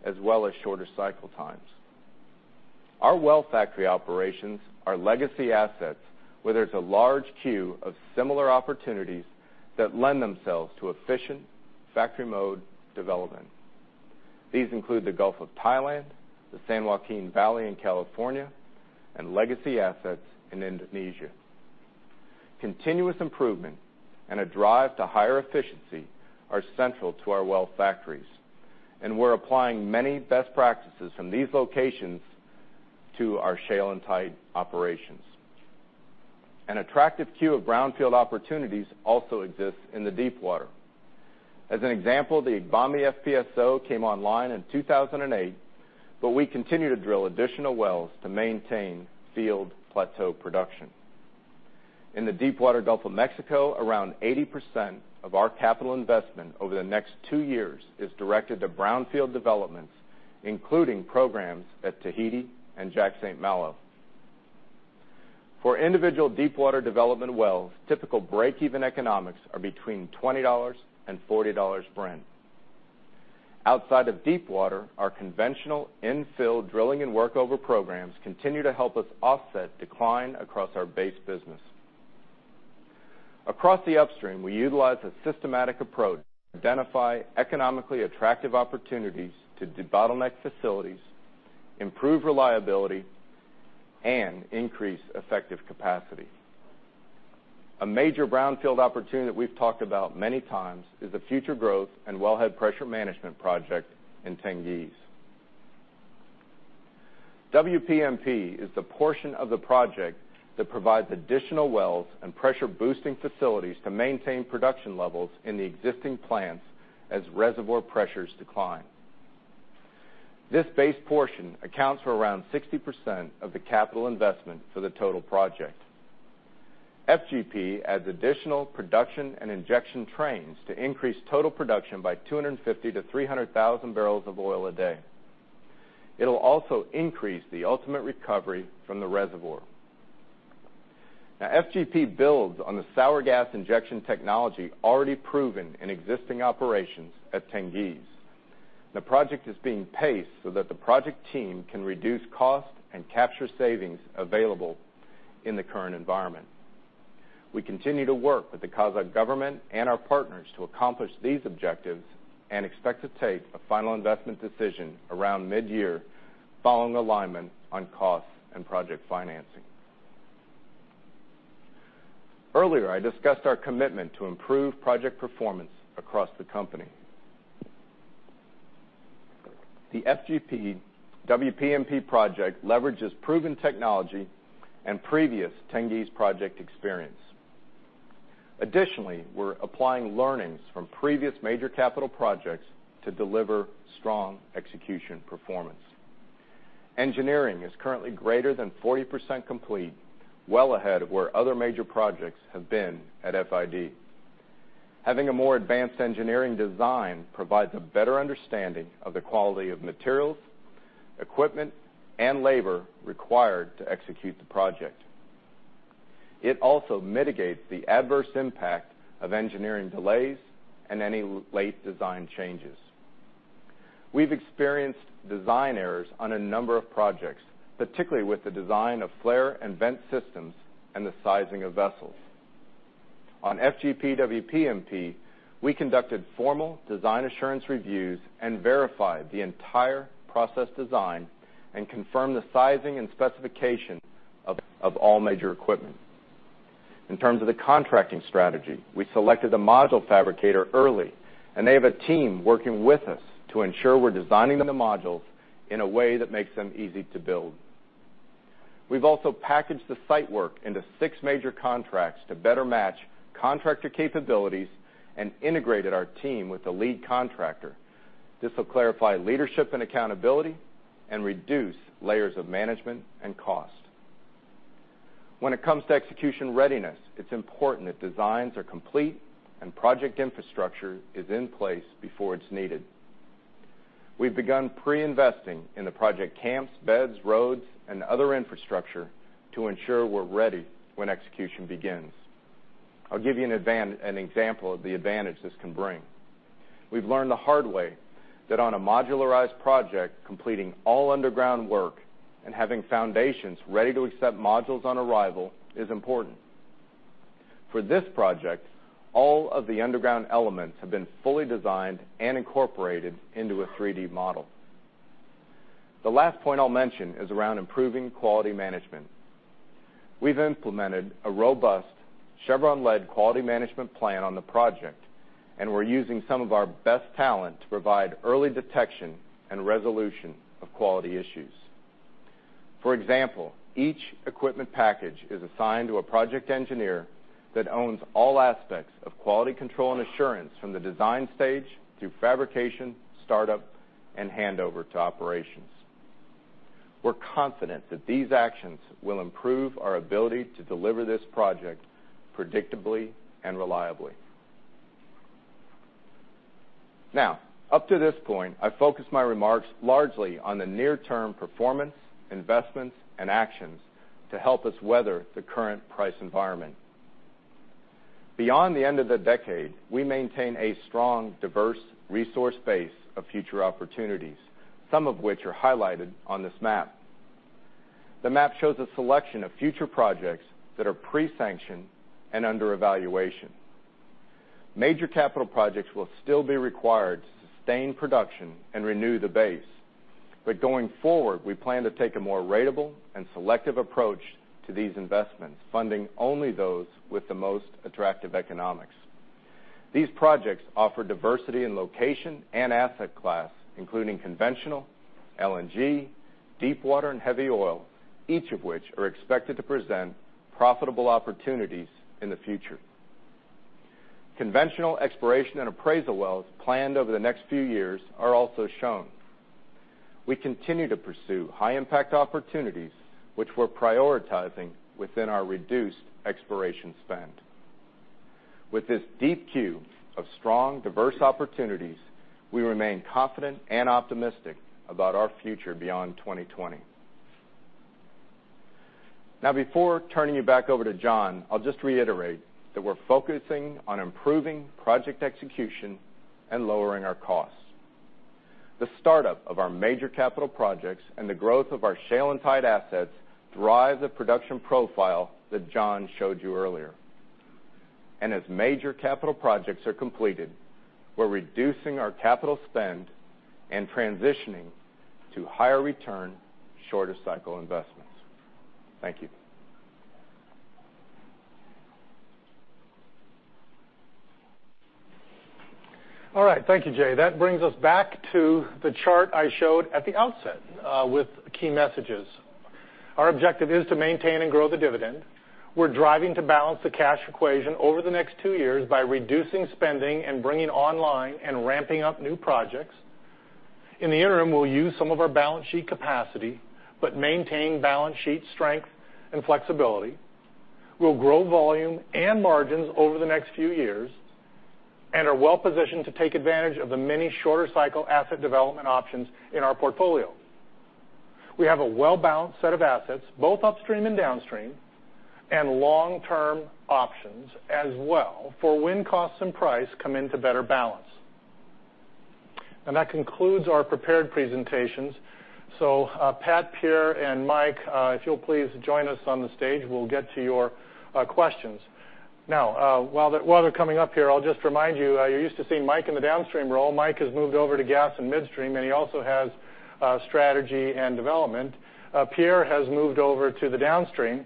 as well as shorter cycle times. Our well factory operations are legacy assets where there's a large queue of similar opportunities that lend themselves to efficient factory mode development. These include the Gulf of Thailand, the San Joaquin Valley in California, and legacy assets in Indonesia. Continuous improvement and a drive to higher efficiency are central to our well factories, and we're applying many best practices from these locations to our shale and tight operations. An attractive queue of brownfield opportunities also exists in the deepwater. As an example, the Ebomi FPSO came online in 2008, but we continue to drill additional wells to maintain field plateau production. In the Deepwater Gulf of Mexico, around 80% of our capital investment over the next two years is directed to brownfield developments, including programs at Tahiti and Jack/St. Malo. For individual deepwater development wells, typical break-even economics are between $20 and $40 Brent. Outside of Deepwater, our conventional infill drilling and workover programs continue to help us offset decline across our base business. Across the upstream, we utilize a systematic approach to identify economically attractive opportunities to debottleneck facilities, improve reliability, and increase effective capacity. A major brownfield opportunity that we've talked about many times is the Future Growth and Wellhead Pressure Management Project in Tengiz. WPMP is the portion of the project that provides additional wells and pressure boosting facilities to maintain production levels in the existing plants as reservoir pressures decline. This base portion accounts for around 60% of the capital investment for the total project. FGP adds additional production and injection trains to increase total production by 250,000 to 300,000 barrels of oil a day. It'll also increase the ultimate recovery from the reservoir. FGP builds on the sour gas injection technology already proven in existing operations at Tengiz. The project is being paced so that the project team can reduce cost and capture savings available in the current environment. We continue to work with the Kazakh government and our partners to accomplish these objectives and expect to take a final investment decision around mid-year, following alignment on cost and project financing. Earlier, I discussed our commitment to improve project performance across the company. The FGP-WPMP project leverages proven technology and previous Tengiz project experience. Additionally, we're applying learnings from previous major capital projects to deliver strong execution performance. Engineering is currently greater than 40% complete, well ahead of where other major projects have been at FID. Having a more advanced engineering design provides a better understanding of the quality of materials, equipment, and labor required to execute the project. It also mitigates the adverse impact of engineering delays and any late design changes. We've experienced design errors on a number of projects, particularly with the design of flare and vent systems and the sizing of vessels. On FGP-WPMP, we conducted formal design assurance reviews and verified the entire process design and confirmed the sizing and specification of all major equipment. In terms of the contracting strategy, we selected a module fabricator early, and they have a team working with us to ensure we're designing the modules in a way that makes them easy to build. We've also packaged the site work into six major contracts to better match contractor capabilities and integrated our team with the lead contractor. This will clarify leadership and accountability and reduce layers of management and cost. When it comes to execution readiness, it's important that designs are complete and project infrastructure is in place before it's needed. We've begun pre-investing in the project camps, beds, roads, and other infrastructure to ensure we're ready when execution begins. I'll give you an example of the advantage this can bring. We've learned the hard way that on a modularized project, completing all underground work and having foundations ready to accept modules on arrival is important. For this project, all of the underground elements have been fully designed and incorporated into a 3D model. The last point I'll mention is around improving quality management. We've implemented a robust Chevron-led quality management plan on the project, and we're using some of our best talent to provide early detection and resolution of quality issues. For example, each equipment package is assigned to a project engineer that owns all aspects of quality control and assurance from the design stage through fabrication, startup, and handover to operations. We're confident that these actions will improve our ability to deliver this project predictably and reliably. Up to this point, I've focused my remarks largely on the near-term performance, investments, and actions to help us weather the current price environment. Beyond the end of the decade, we maintain a strong, diverse resource base of future opportunities, some of which are highlighted on this map. The map shows a selection of future projects that are pre-sanctioned and under evaluation. Major capital projects will still be required to sustain production and renew the base. Going forward, we plan to take a more ratable and selective approach to these investments, funding only those with the most attractive economics. These projects offer diversity in location and asset class, including conventional, LNG, deep water, and heavy oil, each of which are expected to present profitable opportunities in the future. Conventional exploration and appraisal wells planned over the next few years are also shown. We continue to pursue high-impact opportunities, which we're prioritizing within our reduced exploration spend. With this deep queue of strong, diverse opportunities, we remain confident and optimistic about our future beyond 2020. Before turning you back over to John, I'll just reiterate that we're focusing on improving project execution and lowering our costs. The startup of our major capital projects and the growth of our shale and tight assets drive the production profile that John showed you earlier. As major capital projects are completed, we're reducing our capital spend and transitioning to higher return, shorter cycle investments. Thank you. Thank you, Jay. That brings us back to the chart I showed at the outset with key messages. Our objective is to maintain and grow the dividend. We're driving to balance the cash equation over the next 2 years by reducing spending and bringing online and ramping up new projects. In the interim, we'll use some of our balance sheet capacity but maintain balance sheet strength and flexibility. We'll grow volume and margins over the next few years and are well-positioned to take advantage of the many shorter cycle asset development options in our portfolio. We have a well-balanced set of assets, both upstream and downstream, and long-term options as well for when costs and price come into better balance. That concludes our prepared presentations. Pat, Pierre, and Mike, if you'll please join us on the stage, we'll get to your questions. While they're coming up here, I'll just remind you're used to seeing Mike in the downstream role. Mike has moved over to gas and midstream, and he also has strategy and development. Pierre has moved over to the downstream.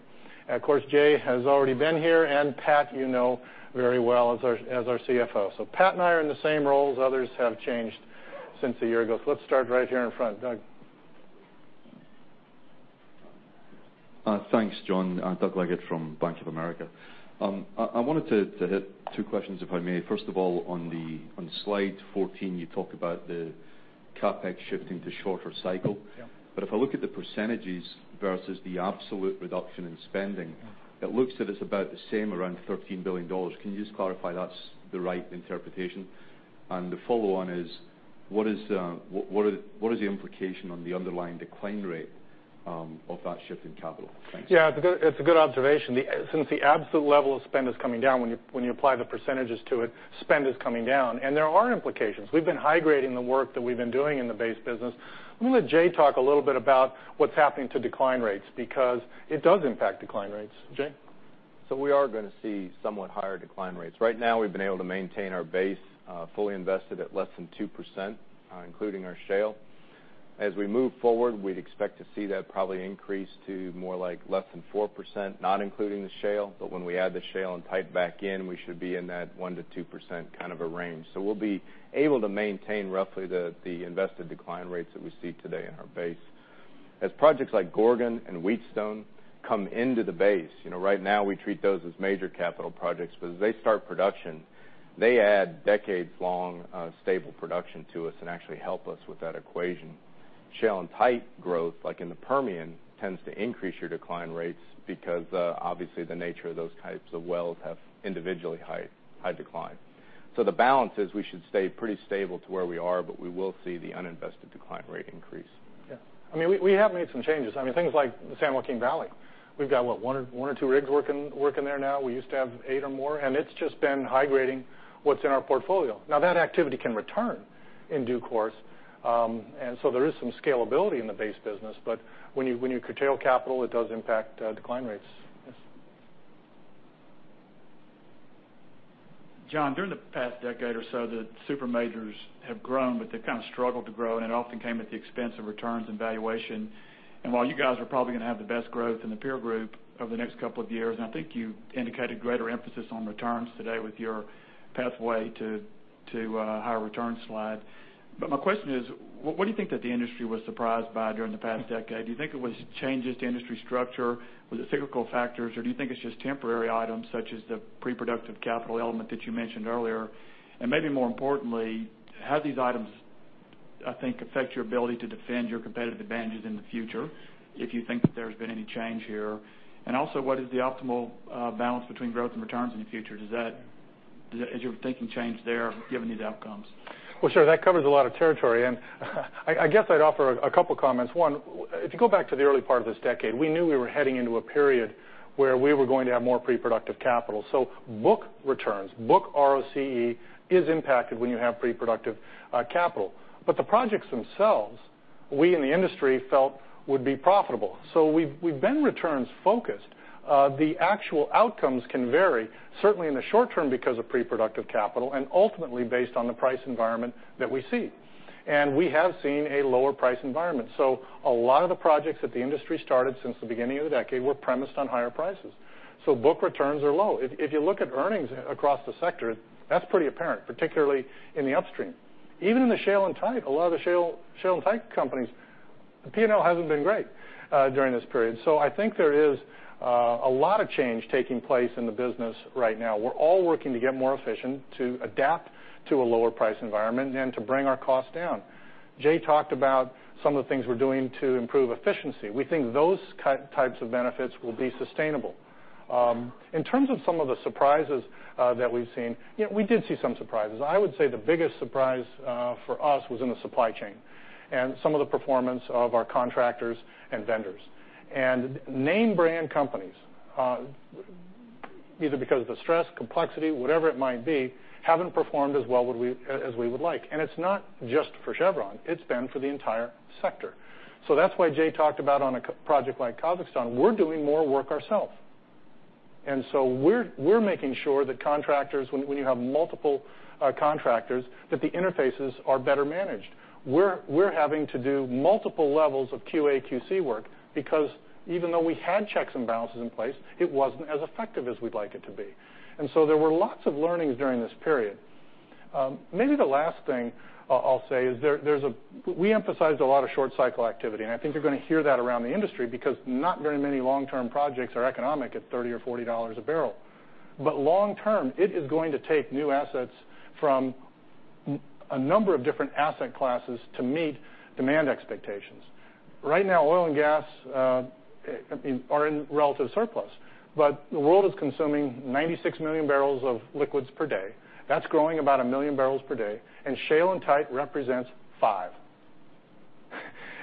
Of course, Jay has already been here, and Pat you know very well as our CFO. Pat and I are in the same roles. Others have changed since a year ago. Let's start right here in front. Doug. Thanks, John. Doug Leggate from Bank of America. I wanted to hit 2 questions, if I may. First of all, on slide 14, you talk about the CapEx shifting to shorter cycle. Yeah. If I look at the percentages versus the absolute reduction in spending- it looks that it's about the same, around $13 billion. Can you just clarify that's the right interpretation? The follow-on is, what is the implication on the underlying decline rate of that shift in capital? Thanks. Yeah, it's a good observation. Since the absolute level of spend is coming down, when you apply the percentages to it, spend is coming down, and there are implications. We've been high-grading the work that we've been doing in the base business. I'm going to let Jay talk a little bit about what's happening to decline rates, because it does impact decline rates. Jay? We are going to see somewhat higher decline rates. Right now, we've been able to maintain our base, fully invested at less than 2%, including our shale. As we move forward, we'd expect to see that probably increase to more like less than 4%, not including the shale. When we add the shale and tight back in, we should be in that 1%-2% kind of a range. We'll be able to maintain roughly the invested decline rates that we see today in our base. As projects like Gorgon and Wheatstone come into the base, right now we treat those as major capital projects, but as they start production, they add decades-long stable production to us and actually help us with that equation. Shale and tight growth, like in the Permian, tends to increase your decline rates because obviously the nature of those types of wells have individually high decline. The balance is we should stay pretty stable to where we are, but we will see the uninvested decline rate increase. Yeah. We have made some changes. Things like the San Joaquin Valley. We've got, what, one or two rigs working there now? We used to have eight or more, and it's just been high-grading what's in our portfolio. That activity can return in due course, there is some scalability in the base business. When you curtail capital, it does impact decline rates. Yes. John, during the past decade or so, the super majors have grown, but they've kind of struggled to grow, and it often came at the expense of returns and valuation. While you guys are probably going to have the best growth in the peer group over the next couple of years, and I think you indicated greater emphasis on returns today with your pathway to higher returns slide. My question is, what do you think that the industry was surprised by during the past decade? Do you think it was changes to industry structure? Was it cyclical factors, or do you think it's just temporary items such as the pre-productive capital element that you mentioned earlier? Maybe more importantly, how do these items, I think, affect your ability to defend your competitive advantages in the future, if you think that there's been any change here? Also, what is the optimal balance between growth and returns in the future? Has your thinking changed there given these outcomes? Well, sure. That covers a lot of territory, and I guess I'd offer a couple comments. One, if you go back to the early part of this decade, we knew we were heading into a period where we were going to have more pre-productive capital. Book returns, book ROCE is impacted when you have pre-productive capital. The projects themselves, we in the industry felt would be profitable. We've been returns focused. The actual outcomes can vary, certainly in the short term because of pre-productive capital and ultimately based on the price environment that we see. We have seen a lower price environment. A lot of the projects that the industry started since the beginning of the decade were premised on higher prices. Book returns are low. If you look at earnings across the sector, that's pretty apparent, particularly in the upstream. Even in the shale and tight, a lot of the shale and tight companies, the P&L hasn't been great during this period. I think there is a lot of change taking place in the business right now. We're all working to get more efficient, to adapt to a lower price environment, and to bring our costs down. Jay talked about some of the things we're doing to improve efficiency. We think those types of benefits will be sustainable. In terms of some of the surprises that we've seen, we did see some surprises. I would say the biggest surprise for us was in the supply chain and some of the performance of our contractors and vendors. Name brand companies, either because of the stress, complexity, whatever it might be, haven't performed as well as we would like. It's not just for Chevron, it's been for the entire sector. That's why Jay talked about on a project like Kazakhstan, we're doing more work ourself. We're making sure that contractors, when you have multiple contractors, that the interfaces are better managed. We're having to do multiple levels of QA, QC work because even though we had checks and balances in place, it wasn't as effective as we'd like it to be. There were lots of learnings during this period. Maybe the last thing I'll say is we emphasized a lot of short cycle activity, and I think you're going to hear that around the industry because not very many long-term projects are economic at $30 or $40 a barrel. Long term, it is going to take new assets from a number of different asset classes to meet demand expectations. Right now, oil and gas are in relative surplus. The world is consuming 96 million barrels of liquids per day. That's growing about a million barrels per day, and shale and tight represents five.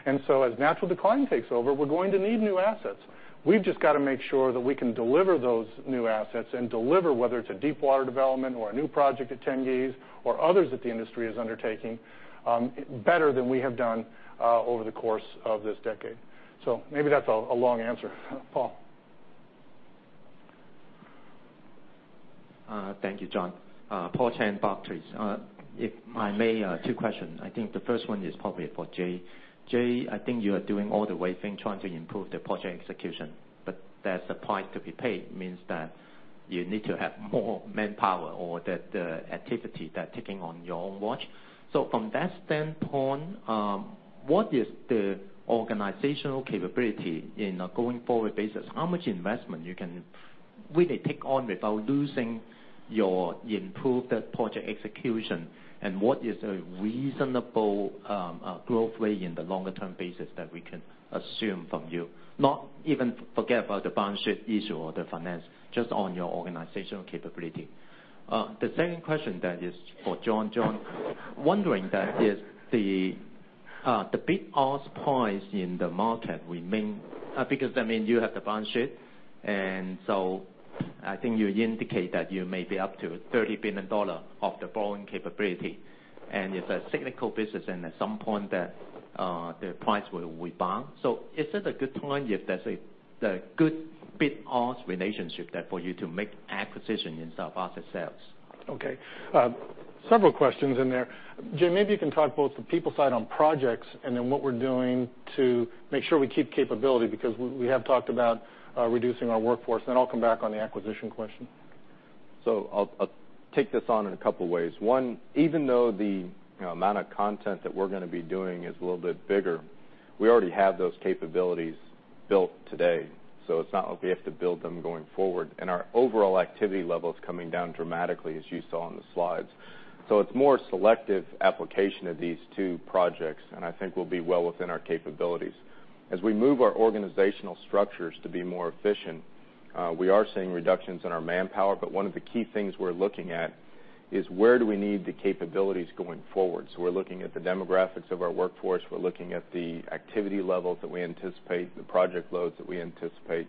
As natural decline takes over, we're going to need new assets. We've just got to make sure that we can deliver those new assets and deliver, whether it's a deep water development or a new project at Tengiz or others that the industry is undertaking, better than we have done over the course of this decade. Maybe that's a long answer. Paul. Thank you, John. Paul Cheng, Barclays. If I may, two questions. The first one is probably for Jay. Jay, you are doing all the right things trying to improve the project execution, there's a price to be paid, means that you need to have more manpower or the activity that ticking on your own watch. From that standpoint, what is the organizational capability in a going forward basis? How much investment you can really take on without losing your improved project execution? What is a reasonable growth rate in the longer-term basis that we can assume from you? Not even forget about the balance sheet issue or the finance, just on your organizational capability. The second question is for John. John, wondering that if the bid ask price in the market remain, because that means you have the balance sheet. I think you indicate that you may be up to $30 billion of the borrowing capability, and it's a cyclical business, and at some point that the price will rebound. Is it a good time if there's a good bid-ask relationship there for you to make acquisition instead of asset sales? Okay. Several questions in there. Jay, maybe you can talk both the people side on projects and what we're doing to make sure we keep capability because we have talked about reducing our workforce. I'll come back on the acquisition question. I'll take this on in a couple ways. One, even though the amount of content that we're going to be doing is a little bit bigger, we already have those capabilities built today, so it's not like we have to build them going forward. Our overall activity level is coming down dramatically, as you saw on the slides. It's more selective application of these two projects, and I think we'll be well within our capabilities. As we move our organizational structures to be more efficient, we are seeing reductions in our manpower. One of the key things we're looking at is where do we need the capabilities going forward. We're looking at the demographics of our workforce. We're looking at the activity levels that we anticipate, the project loads that we anticipate.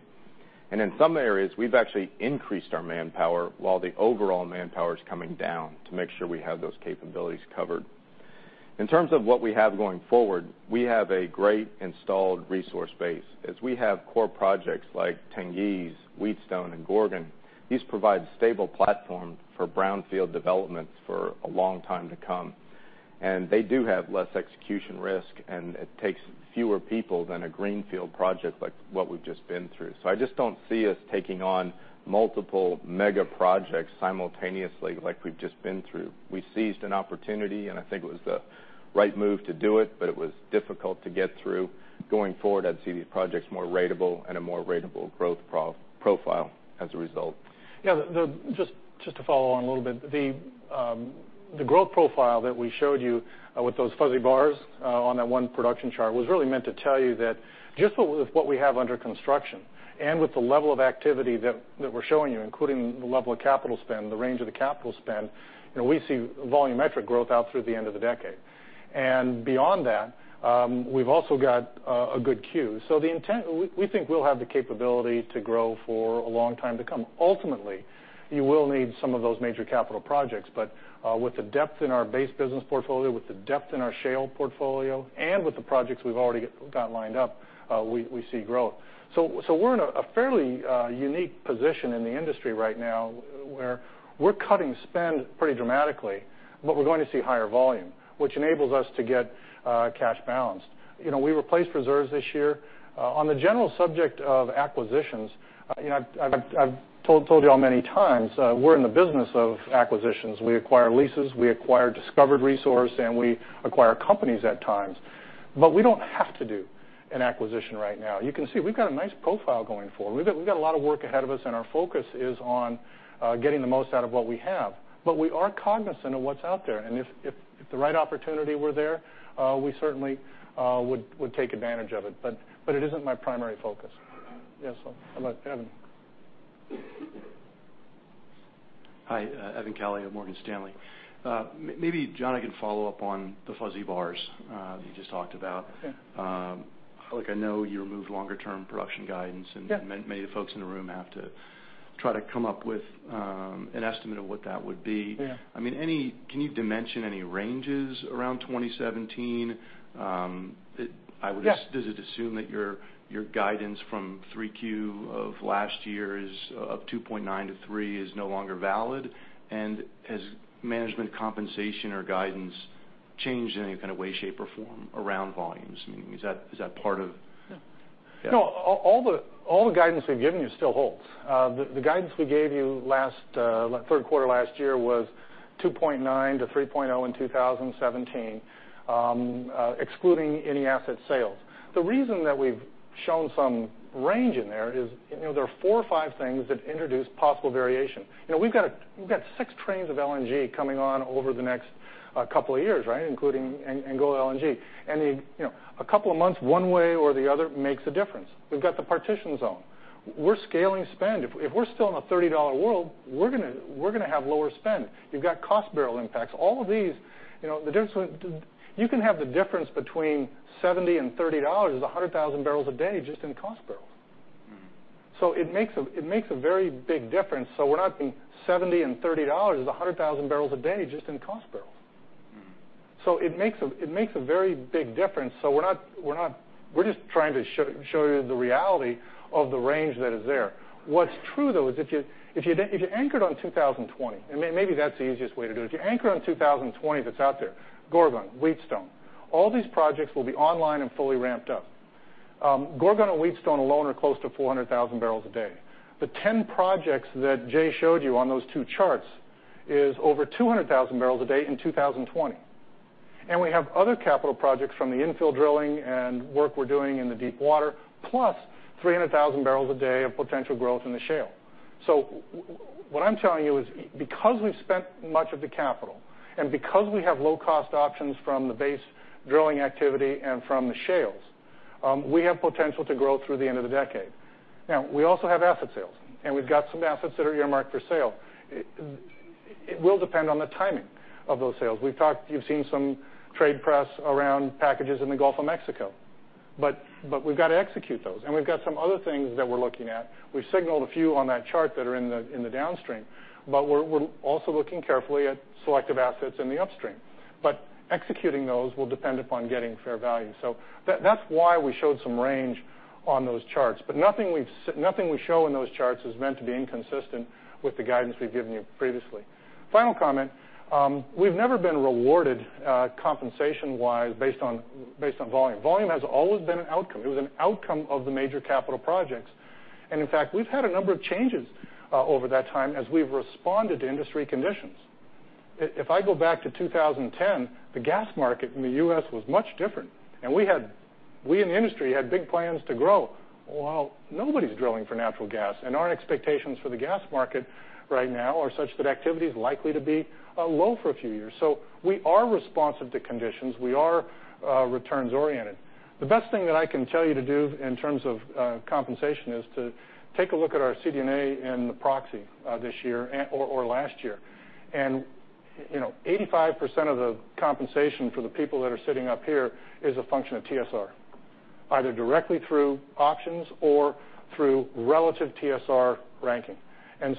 In some areas, we've actually increased our manpower while the overall manpower is coming down to make sure we have those capabilities covered. In terms of what we have going forward, we have a great installed resource base. As we have core projects like Tengiz, Wheatstone, and Gorgon, these provide stable platform for brownfield developments for a long time to come. They do have less execution risk, and it takes fewer people than a greenfield project like what we've just been through. I just don't see us taking on multiple mega projects simultaneously like we've just been through. We seized an opportunity, and I think it was the right move to do it, but it was difficult to get through. Going forward, I'd see these projects more ratable and a more ratable growth profile as a result. Yeah. Just to follow on a little bit. The growth profile that we showed you with those fuzzy bars on that one production chart was really meant to tell you that just with what we have under construction and with the level of activity that we're showing you, including the level of capital spend, the range of the capital spend, we see volumetric growth out through the end of the decade. Beyond that, we've also got a good queue. We think we'll have the capability to grow for a long time to come. Ultimately, you will need some of those major capital projects, but with the depth in our base business portfolio, with the depth in our shale portfolio, and with the projects we've already got lined up, we see growth. We're in a fairly unique position in the industry right now where we're cutting spend pretty dramatically, but we're going to see higher volume, which enables us to get cash balanced. We replaced reserves this year. On the general subject of acquisitions, I've told you all many times, we're in the business of acquisitions. We acquire leases, we acquire discovered resource, and we acquire companies at times. We don't have to do an acquisition right now. You can see we've got a nice profile going forward. We've got a lot of work ahead of us, and our focus is on getting the most out of what we have. We are cognizant of what's out there, and if the right opportunity were there, we certainly would take advantage of it. It isn't my primary focus. Yes, how about Evan? Hi, Evan Calio of Morgan Stanley. Maybe John, I can follow up on the fuzzy bars that you just talked about. Okay. Look, I know you removed longer term production guidance. Yeah Many of the folks in the room have to try to come up with an estimate of what that would be. Yeah. Can you dimension any ranges around 2017? Yeah. Is it assumed that your guidance from 3Q of last year of 2.9 to 3 is no longer valid? Has management compensation or guidance changed in any kind of way, shape, or form around volumes? No, all the guidance we've given you still holds. The guidance we gave you third quarter last year was 2.9 to 3.0 in 2017, excluding any asset sales. The reason that we've shown some range in there is there are four or five things that introduce possible variation. We've got six trains of LNG coming on over the next couple of years, including Angola LNG. A couple of months one way or the other makes a difference. We've got the Partitioned Zone. We're scaling spend. If we're still in a $30 world, we're going to have lower spend. You've got cost barrel impacts. You can have the difference between $70 and $30 is 100,000 barrels a day just in cost barrel. Makes a very big difference. $70 and $30 is 100,000 barrels a day just in cost barrel. Makes a very big difference, we're just trying to show you the reality of the range that is there. What's true, though, is if you anchored on 2020, and maybe that's the easiest way to do it. If you anchor on 2020 that's out there, Gorgon, Wheatstone, all these projects will be online and fully ramped up. Gorgon and Wheatstone alone are close to 400,000 barrels a day. The 10 projects that Jay showed you on those two charts is over 200,000 barrels a day in 2020. We have other capital projects from the infill drilling and work we're doing in the deep water, plus 300,000 barrels a day of potential growth in the shale. What I'm telling you is because we've spent much of the capital and because we have low-cost options from the base drilling activity and from the shales, we have potential to grow through the end of the decade. Now, we also have asset sales, and we've got some assets that are earmarked for sale. It will depend on the timing of those sales. You've seen some trade press around packages in the Gulf of Mexico. We've got to execute those, and we've got some other things that we're looking at. We've signaled a few on that chart that are in the downstream, we're also looking carefully at selective assets in the upstream. Executing those will depend upon getting fair value. That's why we showed some range on those charts. Nothing we show in those charts is meant to be inconsistent with the guidance we've given you previously. Final comment, we've never been rewarded compensation wise based on volume. Volume has always been an outcome. It was an outcome of the major capital projects. In fact, we've had a number of changes over that time as we've responded to industry conditions. If I go back to 2010, the gas market in the U.S. was much different, and we in the industry had big plans to grow. Well, nobody's drilling for natural gas, and our expectations for the gas market right now are such that activity is likely to be low for a few years. We are responsive to conditions. We are returns oriented. The best thing that I can tell you to do in terms of compensation is to take a look at our CD&A in the proxy this year or last year. 85% of the compensation for the people that are sitting up here is a function of TSR, either directly through options or through relative TSR ranking.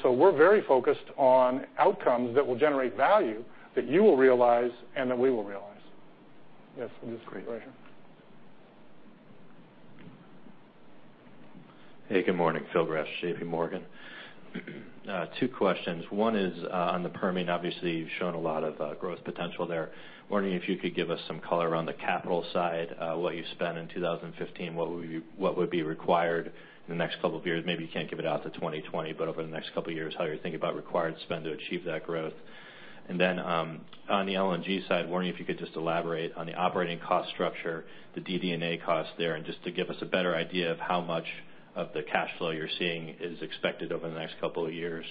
We're very focused on outcomes that will generate value that you will realize and that we will realize. Yes, please. Right here. Great. Hey, good morning. Phil Gresh, JPMorgan. Two questions. One is on the Permian, obviously, you've shown a lot of growth potential there. Wondering if you could give us some color on the capital side, what you spent in 2015, what would be required in the next couple of years. Maybe you can't give it out to 2020, but over the next couple of years, how you're thinking about required spend to achieve that growth. Then on the LNG side, wondering if you could just elaborate on the operating cost structure, the DD&A cost there, and just to give us a better idea of how much of the cash flow you're seeing is expected over the next couple of years,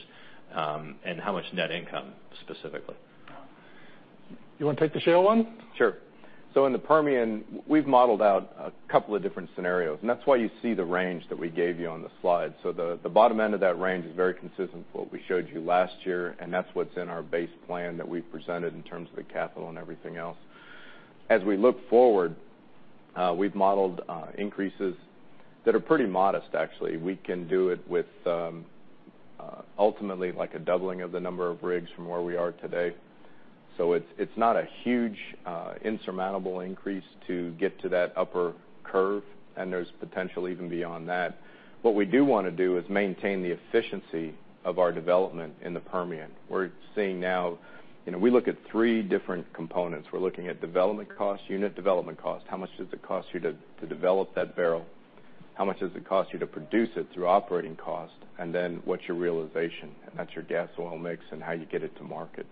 and how much net income specifically. You want to take the shale one? Sure. In the Permian, we've modeled out a couple of different scenarios, and that's why you see the range that we gave you on the slide. The bottom end of that range is very consistent with what we showed you last year, and that's what's in our base plan that we've presented in terms of the capital and everything else. As we look forward, we've modeled increases that are pretty modest, actually. We can do it with ultimately like a doubling of the number of rigs from where we are today. It's not a huge insurmountable increase to get to that upper curve, and there's potential even beyond that. What we do want to do is maintain the efficiency of our development in the Permian. We look at three different components. We're looking at development cost unit, development cost, how much does it cost you to develop that barrel? How much does it cost you to produce it through operating cost? What's your realization? That's your gas oil mix and how you get it to market.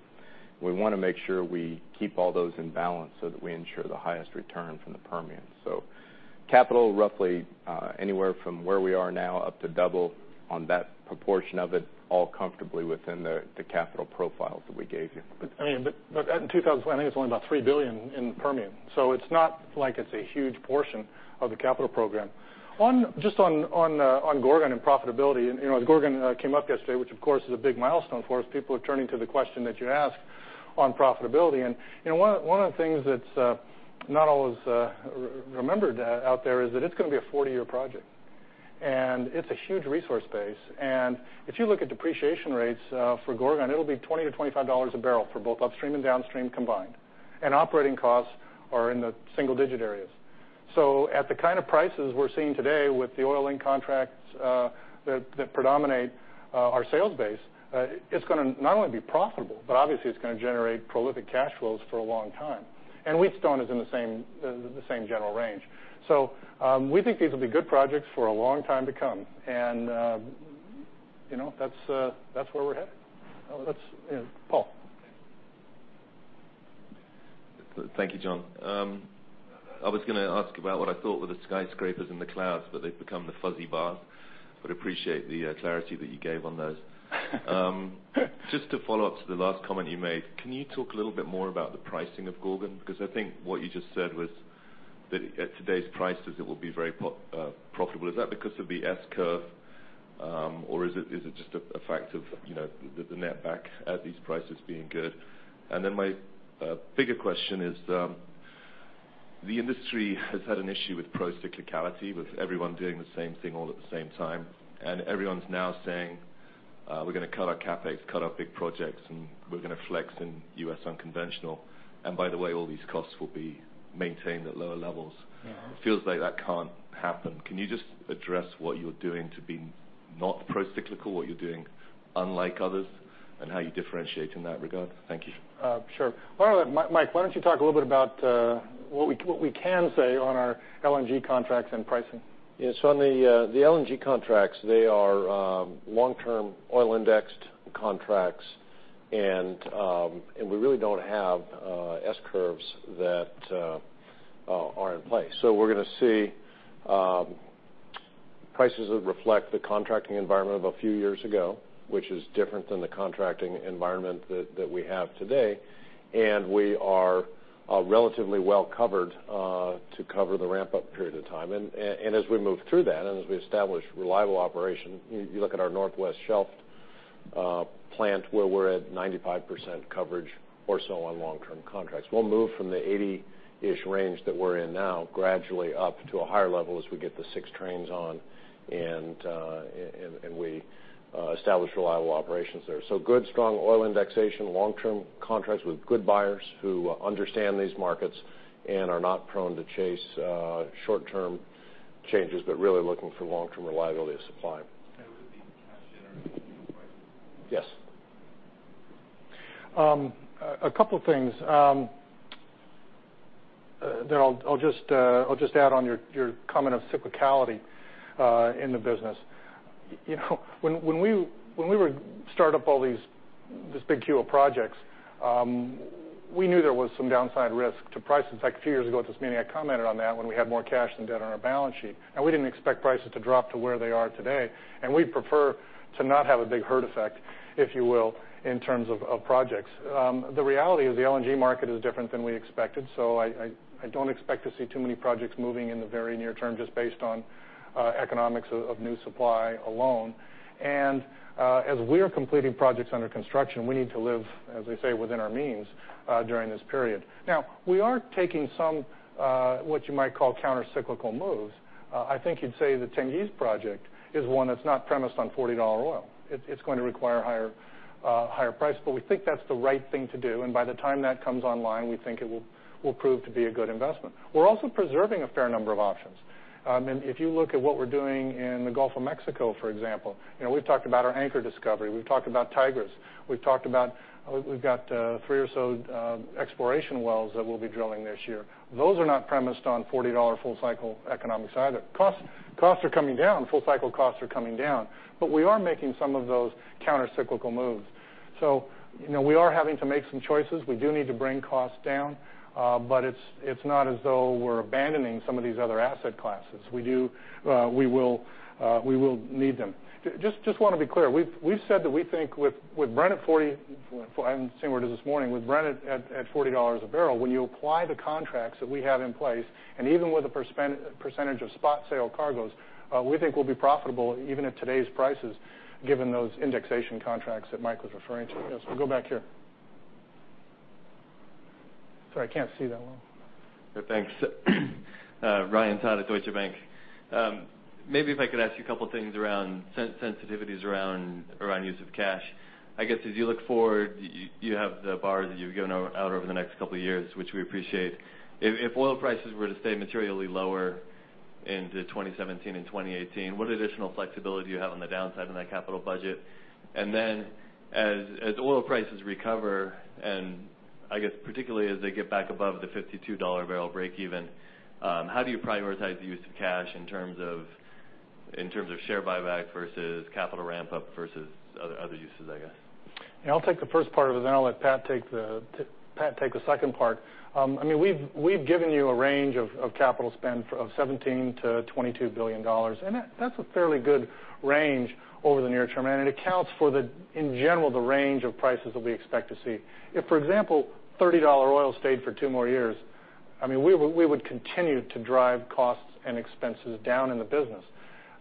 We want to make sure we keep all those in balance so that we ensure the highest return from the Permian. Capital roughly anywhere from where we are now up to double on that proportion of it all comfortably within the capital profiles that we gave you. I think it's only about $3 billion in the Permian. It's not like it's a huge portion of the capital program. Just on Gorgon and profitability, as Gorgon came up yesterday, which of course is a big milestone for us, people are turning to the question that you asked on profitability. One of the things that's not always remembered out there is that it's going to be a 40-year project, and it's a huge resource base, and if you look at depreciation rates for Gorgon, it'll be $20-$25 a barrel for both upstream and downstream combined. Operating costs are in the single-digit areas. At the kind of prices we're seeing today with the oil link contracts that predominate our sales base, it's going to not only be profitable, but obviously it's going to generate prolific cash flows for a long time. Wheatstone is in the same general range. We think these will be good projects for a long time to come. That's where we're headed. Phil. Thank you, John. I was going to ask about what I thought were the skyscrapers in the clouds, but they've become the fuzzy bars. Appreciate the clarity that you gave on those. Just to follow up to the last comment you made, can you talk a little bit more about the pricing of Gorgon? Because I think what you just said was that at today's prices, it will be very profitable. Is that because of the S-curve, or is it just a fact of the netback at these prices being good? My bigger question is, the industry has had an issue with procyclicality, with everyone doing the same thing all at the same time. Everyone's now saying, "We're going to cut our CapEx, cut our big projects, and we're going to flex in U.S. unconventional. By the way, all these costs will be maintained at lower levels. Yeah. It feels like that can't happen. Can you just address what you're doing to be not pro-cyclical, what you're doing unlike others, and how you differentiate in that regard? Thank you. Sure. Mike, why don't you talk a little bit about what we can say on our LNG contracts and pricing? On the LNG contracts, they are long-term oil-indexed contracts, and we really don't have S-curves that are in place. We're going to see prices that reflect the contracting environment of a few years ago, which is different than the contracting environment that we have today. We are relatively well covered to cover the ramp-up period of time. As we move through that, and as we establish reliable operation, you look at our Northwest Shelf plant where we're at 95% coverage or so on long-term contracts. We'll move from the 80-ish range that we're in now gradually up to a higher level as we get the six trains on and we establish reliable operations there. Good, strong oil indexation, long-term contracts with good buyers who understand these markets and are not prone to chase short-term changes, but really looking for long-term reliability of supply. Would the cash generate price? Yes. A couple of things. I'll just add on your comment of cyclicality in the business. When we would start up all these big queue of projects, we knew there was some downside risk to price. In fact, a few years ago at this meeting, I commented on that when we had more cash than debt on our balance sheet. We didn't expect prices to drop to where they are today. We'd prefer to not have a big herd effect, if you will, in terms of projects. The reality is the LNG market is different than we expected, so I don't expect to see too many projects moving in the very near term, just based on economics of new supply alone. As we're completing projects under construction, we need to live, as they say, within our means during this period. We are taking some, what you might call counter-cyclical moves. I think you'd say the Tengiz project is one that's not premised on $40 oil. It's going to require a higher price, but we think that's the right thing to do. By the time that comes online, we think it will prove to be a good investment. We're also preserving a fair number of options. If you look at what we're doing in the Gulf of Mexico, for example, we've talked about our Anchor discovery. We've talked about Tigris. We've got three or so exploration wells that we'll be drilling this year. Those are not premised on $40 full-cycle economics either. Costs are coming down. Full-cycle costs are coming down. We are making some of those counter-cyclical moves. We are having to make some choices. We do need to bring costs down. It's not as though we're abandoning some of these other asset classes. We will need them. Just want to be clear, we've said that we think with Brent at $40, I haven't seen where it is this morning, with Brent at $40 a barrel, when you apply the contracts that we have in place, even with a percentage of spot sale cargoes, we think we'll be profitable even at today's prices, given those indexation contracts that Mike was referring to. Yes, we'll go back here. Sorry, I can't see that well. Thanks. Ryan Todd at Deutsche Bank. Maybe if I could ask you a couple of things around sensitivities around use of cash. As you look forward, you have the bars that you've given out over the next couple of years, which we appreciate. If oil prices were to stay materially lower into 2017 and 2018, what additional flexibility do you have on the downside of that capital budget? As oil prices recover, particularly as they get back above the $52 a barrel breakeven, how do you prioritize the use of cash in terms of share buyback versus capital ramp-up versus other uses? I'll take the first part of it, I'll let Pat take the second part. We've given you a range of capital spend of $17 billion-$22 billion. That's a fairly good range over the near term. It accounts for the, in general, the range of prices that we expect to see. If, for example, $30 oil stayed for two more years, we would continue to drive costs and expenses down in the business.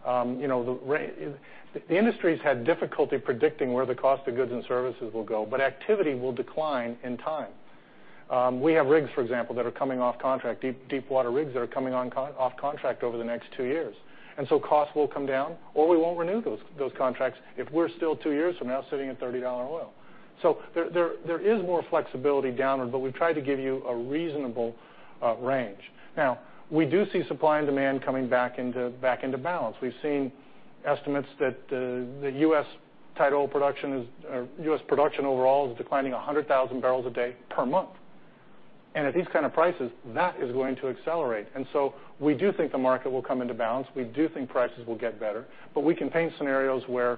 The industry's had difficulty predicting where the cost of goods and services will go, activity will decline in time. We have rigs, for example, that are coming off contract, deepwater rigs that are coming off contract over the next two years. Costs will come down, or we won't renew those contracts if we're still two years from now sitting at $30 oil. There is more flexibility downward, we've tried to give you a reasonable range. We do see supply and demand coming back into balance. We've seen estimates that the U.S. tight oil production or U.S. production overall is declining 100,000 barrels a day per month. At these kind of prices, that is going to accelerate. We do think the market will come into balance. We do think prices will get better, we can paint scenarios where,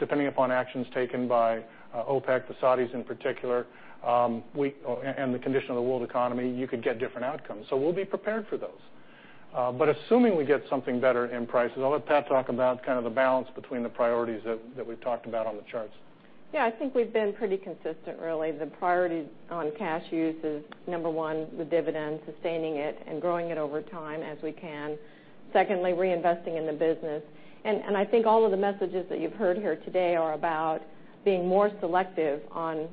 depending upon actions taken by OPEC, the Saudis in particular, and the condition of the world economy, you could get different outcomes. We'll be prepared for those. Assuming we get something better in prices, I'll let Pat talk about the balance between the priorities that we've talked about on the charts. I think we've been pretty consistent, really. The priority on cash use is, number one, the dividend, sustaining it and growing it over time as we can. Secondly, reinvesting in the business. I think all of the messages that you've heard here today are about being more selective on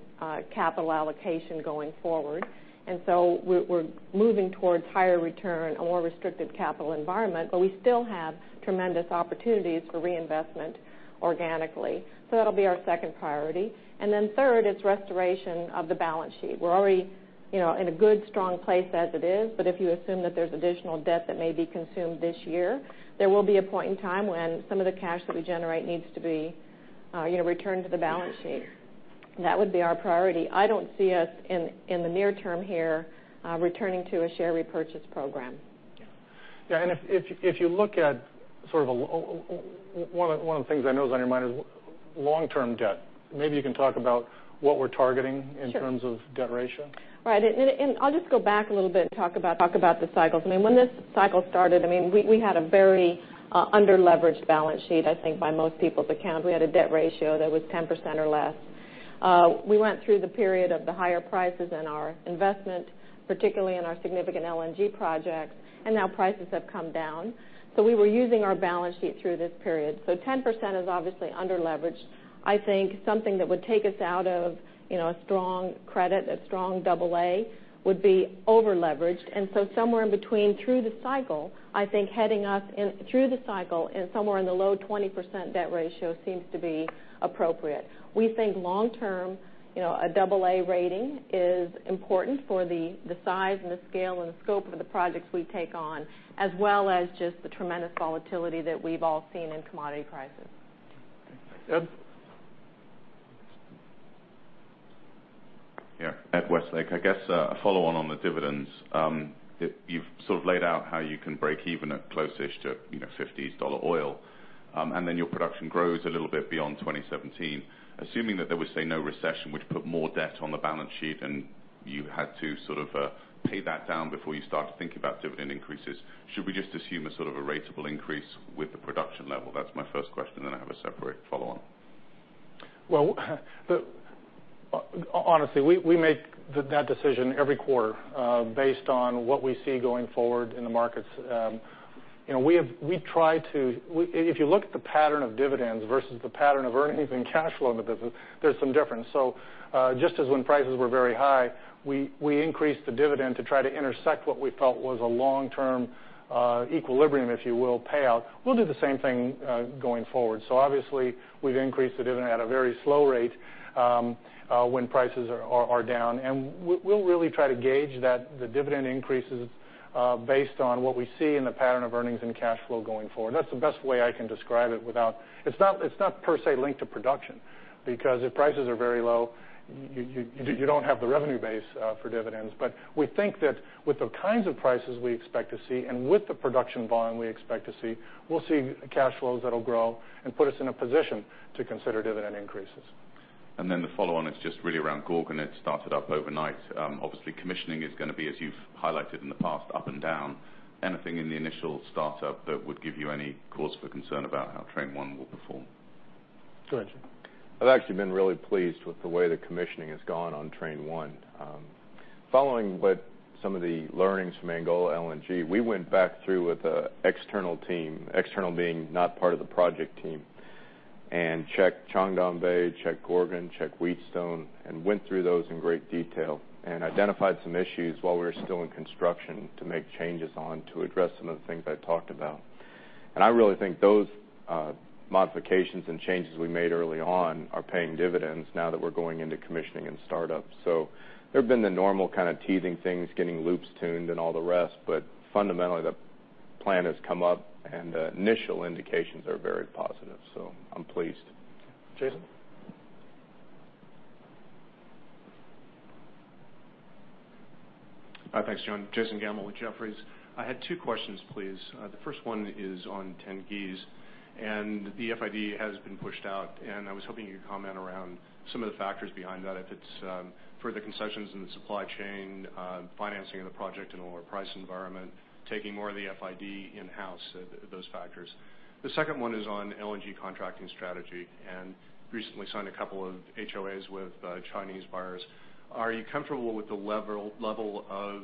capital allocation going forward. We're moving towards higher return, a more restricted capital environment, we still have tremendous opportunities for reinvestment organically. That'll be our second priority. Third is restoration of the balance sheet. We're already in a good, strong place as it is, if you assume that there's additional debt that may be consumed this year, there will be a point in time when some of the cash that we generate needs to be returned to the balance sheet. That would be our priority. I don't see us in the near term here, returning to a share repurchase program. Yeah, if you look at one of the things I know is on your mind is long-term debt. Maybe you can talk about what we're targeting in terms of debt ratio. Sure. Right, I'll just go back a little bit and talk about the cycles. When this cycle started, we had a very under-leveraged balance sheet, I think, by most people's account. We had a debt ratio that was 10% or less. We went through the period of the higher prices in our investment, particularly in our significant LNG projects, prices have come down. We were using our balance sheet through this period. 10% is obviously under-leveraged. I think something that would take us out of a strong credit, a strong double A, would be over-leveraged. Somewhere in between through the cycle, I think heading us through the cycle and somewhere in the low 20% debt ratio seems to be appropriate. We think long-term, a double A rating is important for the size and the scale and the scope of the projects we take on, as well as just the tremendous volatility that we've all seen in commodity prices. Okay. Ed? Yeah. Edward Westlake. I guess a follow on the dividends. You've sort of laid out how you can break even at close-ish to $50 oil, and then your production grows a little bit beyond 2017. Assuming that there was, say, no recession, which put more debt on the balance sheet and you had to sort of pay that down before you start to think about dividend increases, should we just assume a ratable increase with the production level? That's my first question. I have a separate follow on. Well, honestly, we make that decision every quarter based on what we see going forward in the markets. If you look at the pattern of dividends versus the pattern of earnings and cash flow in the business, there's some difference. Just as when prices were very high, we increased the dividend to try to intersect what we felt was a long-term equilibrium, if you will, payout. We'll do the same thing going forward. Obviously, we've increased the dividend at a very slow rate when prices are down. We'll really try to gauge the dividend increases based on what we see in the pattern of earnings and cash flow going forward. That's the best way I can describe it. It's not per se linked to production, because if prices are very low, you don't have the revenue base for dividends. We think that with the kinds of prices we expect to see and with the production volume we expect to see, we'll see cash flows that'll grow and put us in a position to consider dividend increases. The follow on is just really around Gorgon. It started up overnight. Obviously, commissioning is going to be, as you've highlighted in the past, up and down. Anything in the initial startup that would give you any cause for concern about how Train 1 will perform? Go ahead, Jay. I've actually been really pleased with the way the commissioning has gone on Train 1. Following some of the learnings from Angola LNG, we went back through with an external team, external being not part of the project team, and checked Chuandongbei, checked Gorgon, checked Wheatstone, and went through those in great detail and identified some issues while we were still in construction to make changes on to address some of the things I talked about. I really think those modifications and changes we made early on are paying dividends now that we're going into commissioning and startup. There have been the normal kind of teething things, getting loops tuned and all the rest, fundamentally, the plan has come up, and the initial indications are very positive. I'm pleased. Jason? Thanks, John. Jason Gabelman with Jefferies. I had two questions, please. The first one is on Tengiz. The FID has been pushed out. I was hoping you could comment around some of the factors behind that, if it's further concessions in the supply chain, financing of the project in a lower price environment, taking more of the FID in-house, those factors. The second one is on LNG contracting strategy. Recently signed a couple of HOAs with Chinese buyers. Are you comfortable with the level of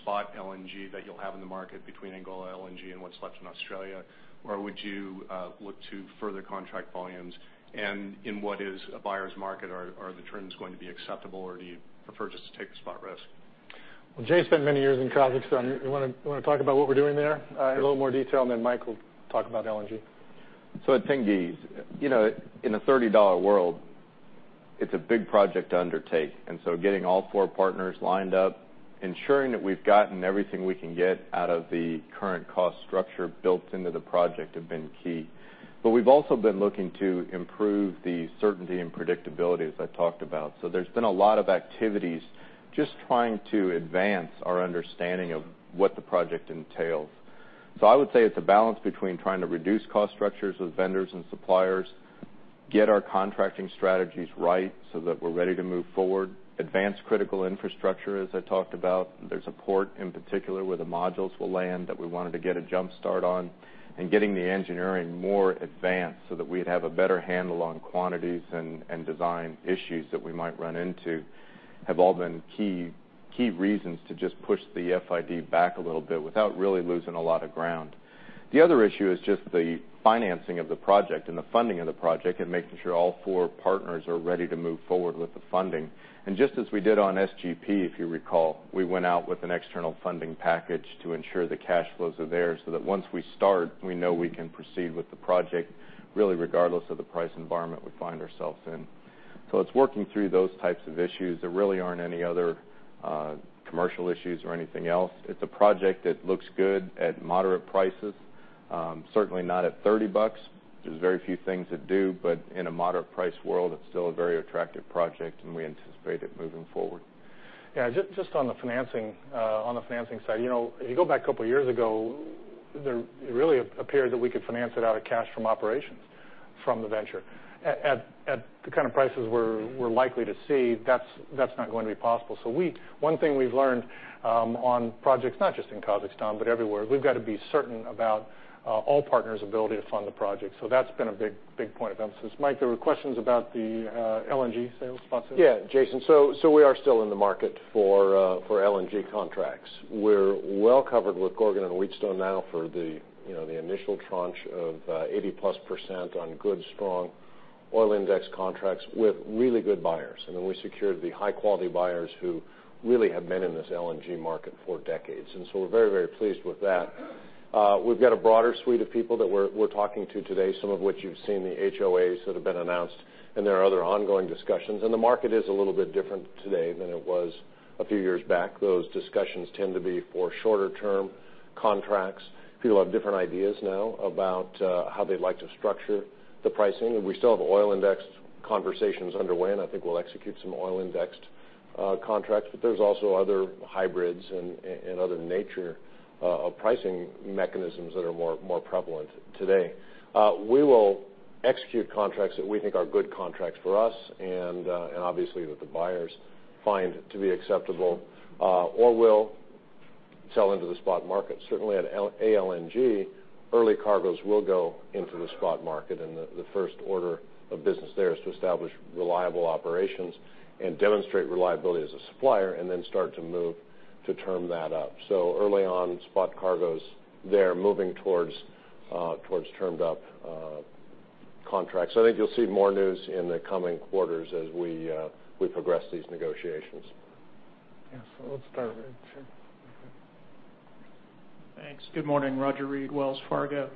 spot LNG that you'll have in the market between Angola LNG and what's left in Australia, or would you look to further contract volumes? In what is a buyer's market, are the terms going to be acceptable, or do you prefer just to take the spot risk? Jay spent many years in Kazakhstan. You want to talk about what we're doing there in a little more detail, and then Mike will talk about LNG. At Tengiz, in a $30 world, it's a big project to undertake. Ensuring that we've gotten everything we can get out of the current cost structure built into the project have been key. We've also been looking to improve the certainty and predictability, as I talked about. There's been a lot of activities just trying to advance our understanding of what the project entails. I would say it's a balance between trying to reduce cost structures with vendors and suppliers, get our contracting strategies right so that we're ready to move forward, advance critical infrastructure, as I talked about. There's a port, in particular, where the modules will land, that we wanted to get a jumpstart on. Getting the engineering more advanced so that we'd have a better handle on quantities and design issues that we might run into have all been key reasons to just push the FID back a little bit without really losing a lot of ground. The other issue is just the financing of the project and the funding of the project, and making sure all four partners are ready to move forward with the funding. Just as we did on SGP, if you recall, we went out with an external funding package to ensure the cash flows are there, so that once we start, we know we can proceed with the project, really regardless of the price environment we find ourselves in. It's working through those types of issues. There really aren't any other commercial issues or anything else. It's a project that looks good at moderate prices. Certainly not at $30. There's very few things that do, in a moderate price world, it's still a very attractive project, and we anticipate it moving forward. Yeah. Just on the financing side. If you go back a couple of years ago, it really appeared that we could finance it out of cash from operations from the venture. At the kind of prices we're likely to see, that's not going to be possible. One thing we've learned on projects, not just in Kazakhstan, but everywhere, we've got to be certain about all partners' ability to fund the project. That's been a big point of emphasis. Mike, there were questions about the LNG sales process. Yeah, Jason. We are still in the market for LNG contracts. We're well covered with Gorgon and Wheatstone now for the initial tranche of 80+% on good, strong oil-indexed contracts with really good buyers. We secured the high-quality buyers who really have been in this LNG market for decades, and so we're very pleased with that. We've got a broader suite of people that we're talking to today, some of which you've seen, the HOAs that have been announced, and there are other ongoing discussions. The market is a little bit different today than it was a few years back. Those discussions tend to be for shorter-term contracts. People have different ideas now about how they'd like to structure the pricing, and we still have oil-indexed conversations underway, and I think we'll execute some oil-indexed contracts. There's also other hybrids and other nature of pricing mechanisms that are more prevalent today. We will execute contracts that we think are good contracts for us and obviously that the buyers find to be acceptable or will sell into the spot market. Certainly at ALNG, early cargoes will go into the spot market, and the first order of business there is to establish reliable operations and demonstrate reliability as a supplier and then start to move to term that up. Early on, spot cargoes there moving towards termed-up contracts. I think you'll see more news in the coming quarters as we progress these negotiations. Yeah. Let's start right here. Thanks. Good morning. Roger Read, Wells Fargo.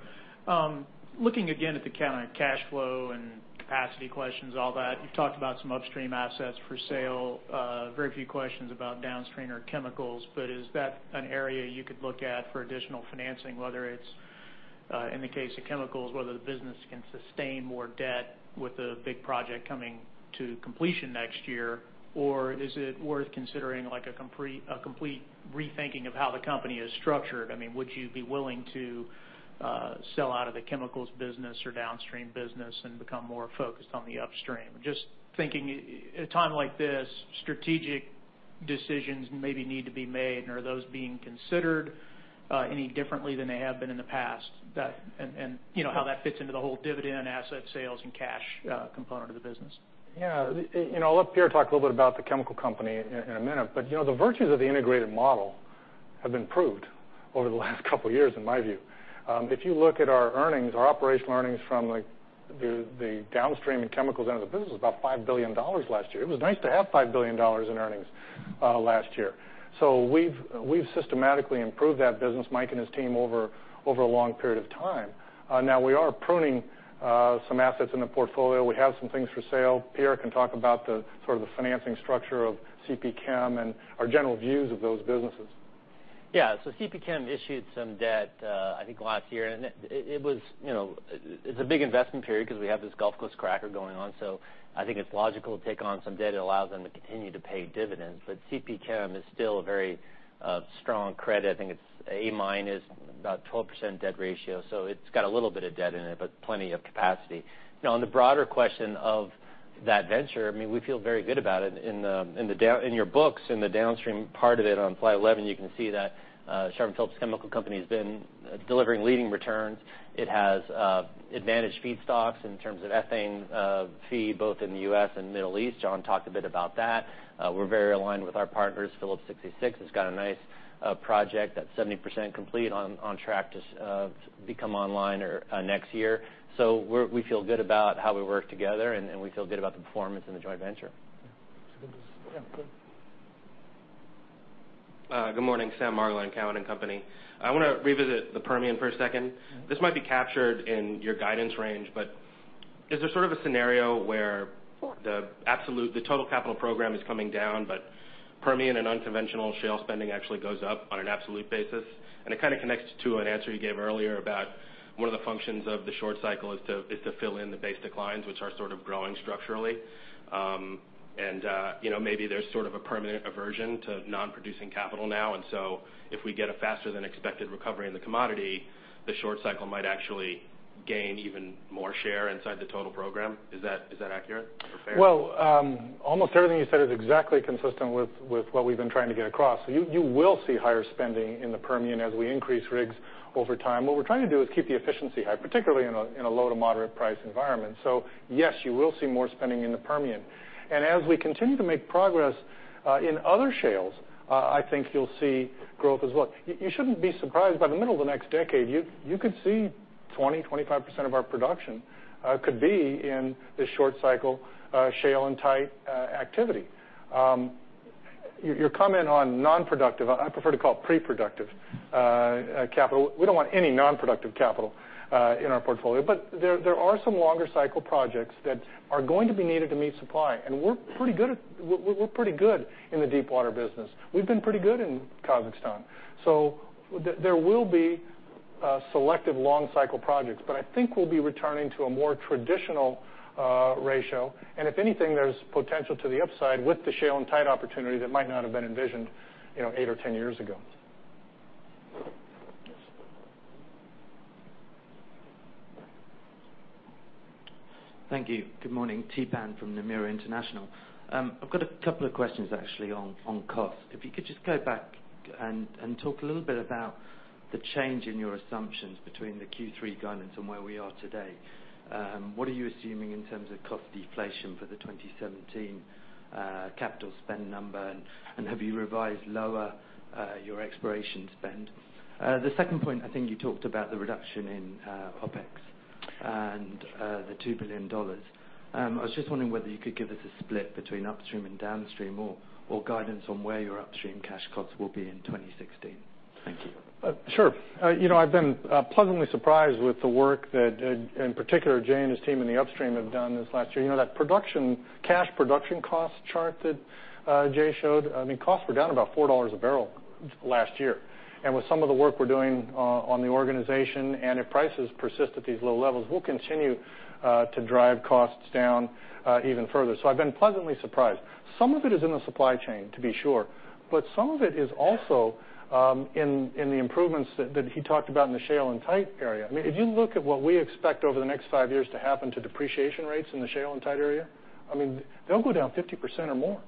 Looking again at the cash flow and capacity questions, all that. You've talked about some upstream assets for sale. Very few questions about downstream or chemicals. Is that an area you could look at for additional financing, whether it's, in the case of chemicals, whether the business can sustain more debt with the big project coming to completion next year? Is it worth considering a complete rethinking of how the company is structured? Would you be willing to sell out of the chemicals business or downstream business and become more focused on the upstream? Just thinking at a time like this, strategic decisions maybe need to be made. Are those being considered any differently than they have been in the past? How that fits into the whole dividend, asset sales, and cash component of the business. I'll let Pierre talk a little bit about the chemical company in a minute. The virtues of the integrated model have been proved over the last couple years, in my view. If you look at our earnings, our operational earnings from the downstream and chemicals end of the business was about $5 billion last year. It was nice to have $5 billion in earnings last year. We've systematically improved that business, Mike and his team, over a long period of time. Now we are pruning some assets in the portfolio. We have some things for sale. Pierre can talk about the sort of the financing structure of CPChem and our general views of those businesses. CPChem issued some debt I think last year. It's a big investment period because we have this Gulf Coast cracker going on. I think it's logical to take on some debt. It allows them to continue to pay dividends. CPChem is still a very strong credit. I think it's A minus, about 12% debt ratio, so it's got a little bit of debt in it. Plenty of capacity. On the broader question of that venture, we feel very good about it. In your books, in the downstream part of it on Slide 11, you can see that Chevron Phillips Chemical Company has been delivering leading returns. It has advantaged feedstocks in terms of ethane feed, both in the U.S. and Middle East. John talked a bit about that. We're very aligned with our partners. Phillips 66 has got a nice project that's 70% complete on track to become online next year. We feel good about how we work together. We feel good about the performance in the joint venture. Yeah. Good. Good morning. Sam Margolin, Cowen and Company. I want to revisit the Permian for a second. This might be captured in your guidance range, Is there sort of a scenario where the total capital program is coming down, but Permian and unconventional shale spending actually goes up on an absolute basis? It kind of connects to an answer you gave earlier about one of the functions of the short cycle is to fill in the base declines, which are sort of growing structurally. Maybe there's sort of a permanent aversion to non-producing capital now, If we get a faster than expected recovery in the commodity, the short cycle might actually gain even more share inside the total program. Is that accurate or fair? Well, almost everything you said is exactly consistent with what we've been trying to get across. You will see higher spending in the Permian as we increase rigs over time. What we're trying to do is keep the efficiency high, particularly in a low to moderate price environment. Yes, you will see more spending in the Permian. As we continue to make progress in other shales, I think you'll see growth as well. You shouldn't be surprised, by the middle of the next decade, you could see 20%, 25% of our production could be in the short cycle shale and tight activity. Your comment on non-productive, I prefer to call pre-productive capital. We don't want any non-productive capital in our portfolio. There are some longer cycle projects that are going to be needed to meet supply, and we're pretty good in the deepwater business. We've been pretty good in Kazakhstan. There will be selective long cycle projects, but I think we'll be returning to a more traditional ratio. If anything, there's potential to the upside with the shale and tight opportunity that might not have been envisioned eight or 10 years ago. Thank you. Good morning. Tapan from Nomura International. I've got a couple of questions actually on cost. If you could just go back and talk a little bit about the change in your assumptions between the Q3 guidance and where we are today. What are you assuming in terms of cost deflation for the 2017 capital spend number, and have you revised lower your exploration spend? The second point, I think you talked about the reduction in OpEx and the $2 billion. I was just wondering whether you could give us a split between upstream and downstream, or guidance on where your upstream cash costs will be in 2016. Thank you. Sure. I've been pleasantly surprised with the work that, in particular, Jay and his team in the upstream have done this last year. That cash production cost chart that Jay showed, costs were down about $4 a barrel last year. With some of the work we're doing on the organization, and if prices persist at these low levels, we'll continue to drive costs down even further. I've been pleasantly surprised. Some of it is in the supply chain, to be sure, but some of it is also in the improvements that he talked about in the shale and tight area. If you look at what we expect over the next five years to happen to depreciation rates in the shale and tight area, they'll go down 50% or more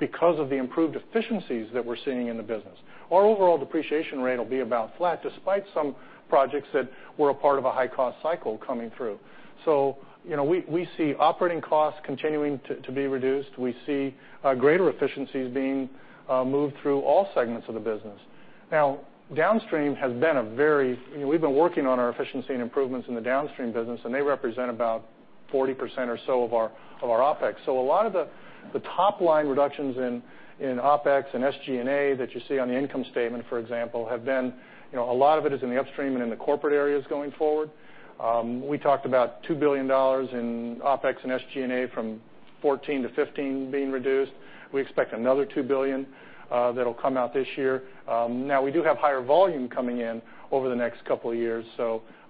because of the improved efficiencies that we're seeing in the business. Our overall depreciation rate will be about flat, despite some projects that were a part of a high-cost cycle coming through. We see operating costs continuing to be reduced. We see greater efficiencies being moved through all segments of the business. Downstream has been, we've been working on our efficiency and improvements in the downstream business, and they represent about 40% or so of our OpEx. A lot of the top-line reductions in OpEx and SG&A that you see on the income statement, for example, have been, a lot of it is in the upstream and in the corporate areas going forward. We talked about $2 billion in OpEx and SG&A from 2014 to 2015 being reduced. We expect another $2 billion that'll come out this year. We do have higher volume coming in over the next couple of years,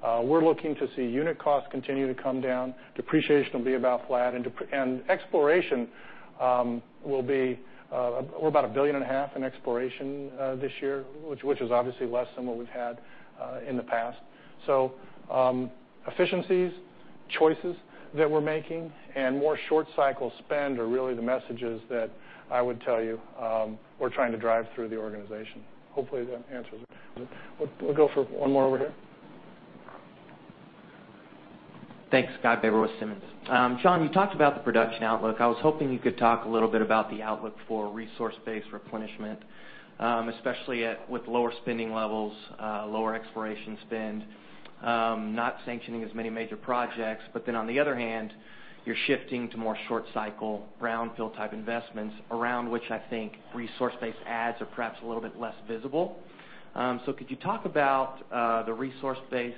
we're looking to see unit costs continue to come down. Depreciation will be about flat, exploration will be about a billion and a half in exploration this year, which is obviously less than what we've had in the past. Efficiencies, choices that we're making, and more short cycle spend are really the messages that I would tell you we're trying to drive through the organization. Hopefully that answers it. We'll go for one more over here. Thanks. Scott Barber with Simmons. John, you talked about the production outlook. I was hoping you could talk a little bit about the outlook for resource-based replenishment, especially with lower spending levels, lower exploration spend, not sanctioning as many major projects. On the other hand, you're shifting to more short cycle brownfield type investments around which I think resource-based ads are perhaps a little bit less visible. Could you talk about the resource-based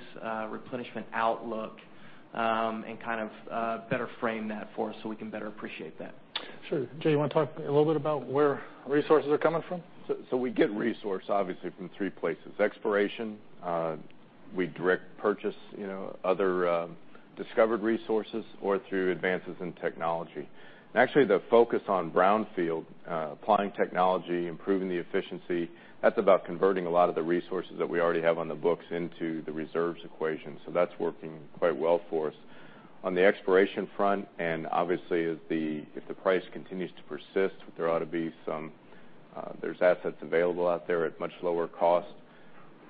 replenishment outlook and kind of better frame that for us so we can better appreciate that? Sure. Jay, you want to talk a little bit about where resources are coming from? We get resource obviously from three places, exploration, we direct purchase other discovered resources, or through advances in technology. Actually, the focus on brownfield, applying technology, improving the efficiency, that's about converting a lot of the resources that we already have on the books into the reserves equation. That's working quite well for us. On the exploration front, obviously if the price continues to persist, there ought to be some assets available out there at much lower cost.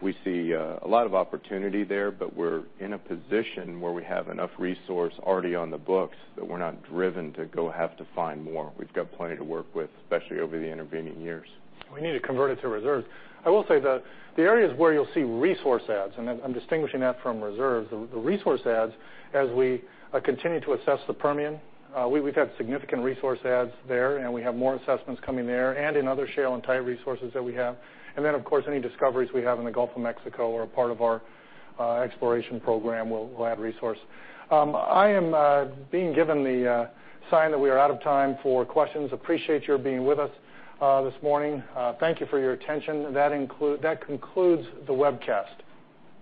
We see a lot of opportunity there, we're in a position where we have enough resource already on the books that we're not driven to go have to find more. We've got plenty to work with, especially over the intervening years. We need to convert it to reserves. I will say that the areas where you'll see resource adds, and I'm distinguishing that from reserves, the resource adds as we continue to assess the Permian. We've had significant resource adds there, and we have more assessments coming there and in other shale and tight resources that we have. Then, of course, any discoveries we have in the Gulf of Mexico are a part of our exploration program will add resource. I am being given the sign that we are out of time for questions. Appreciate your being with us this morning. Thank you for your attention. That concludes the webcast.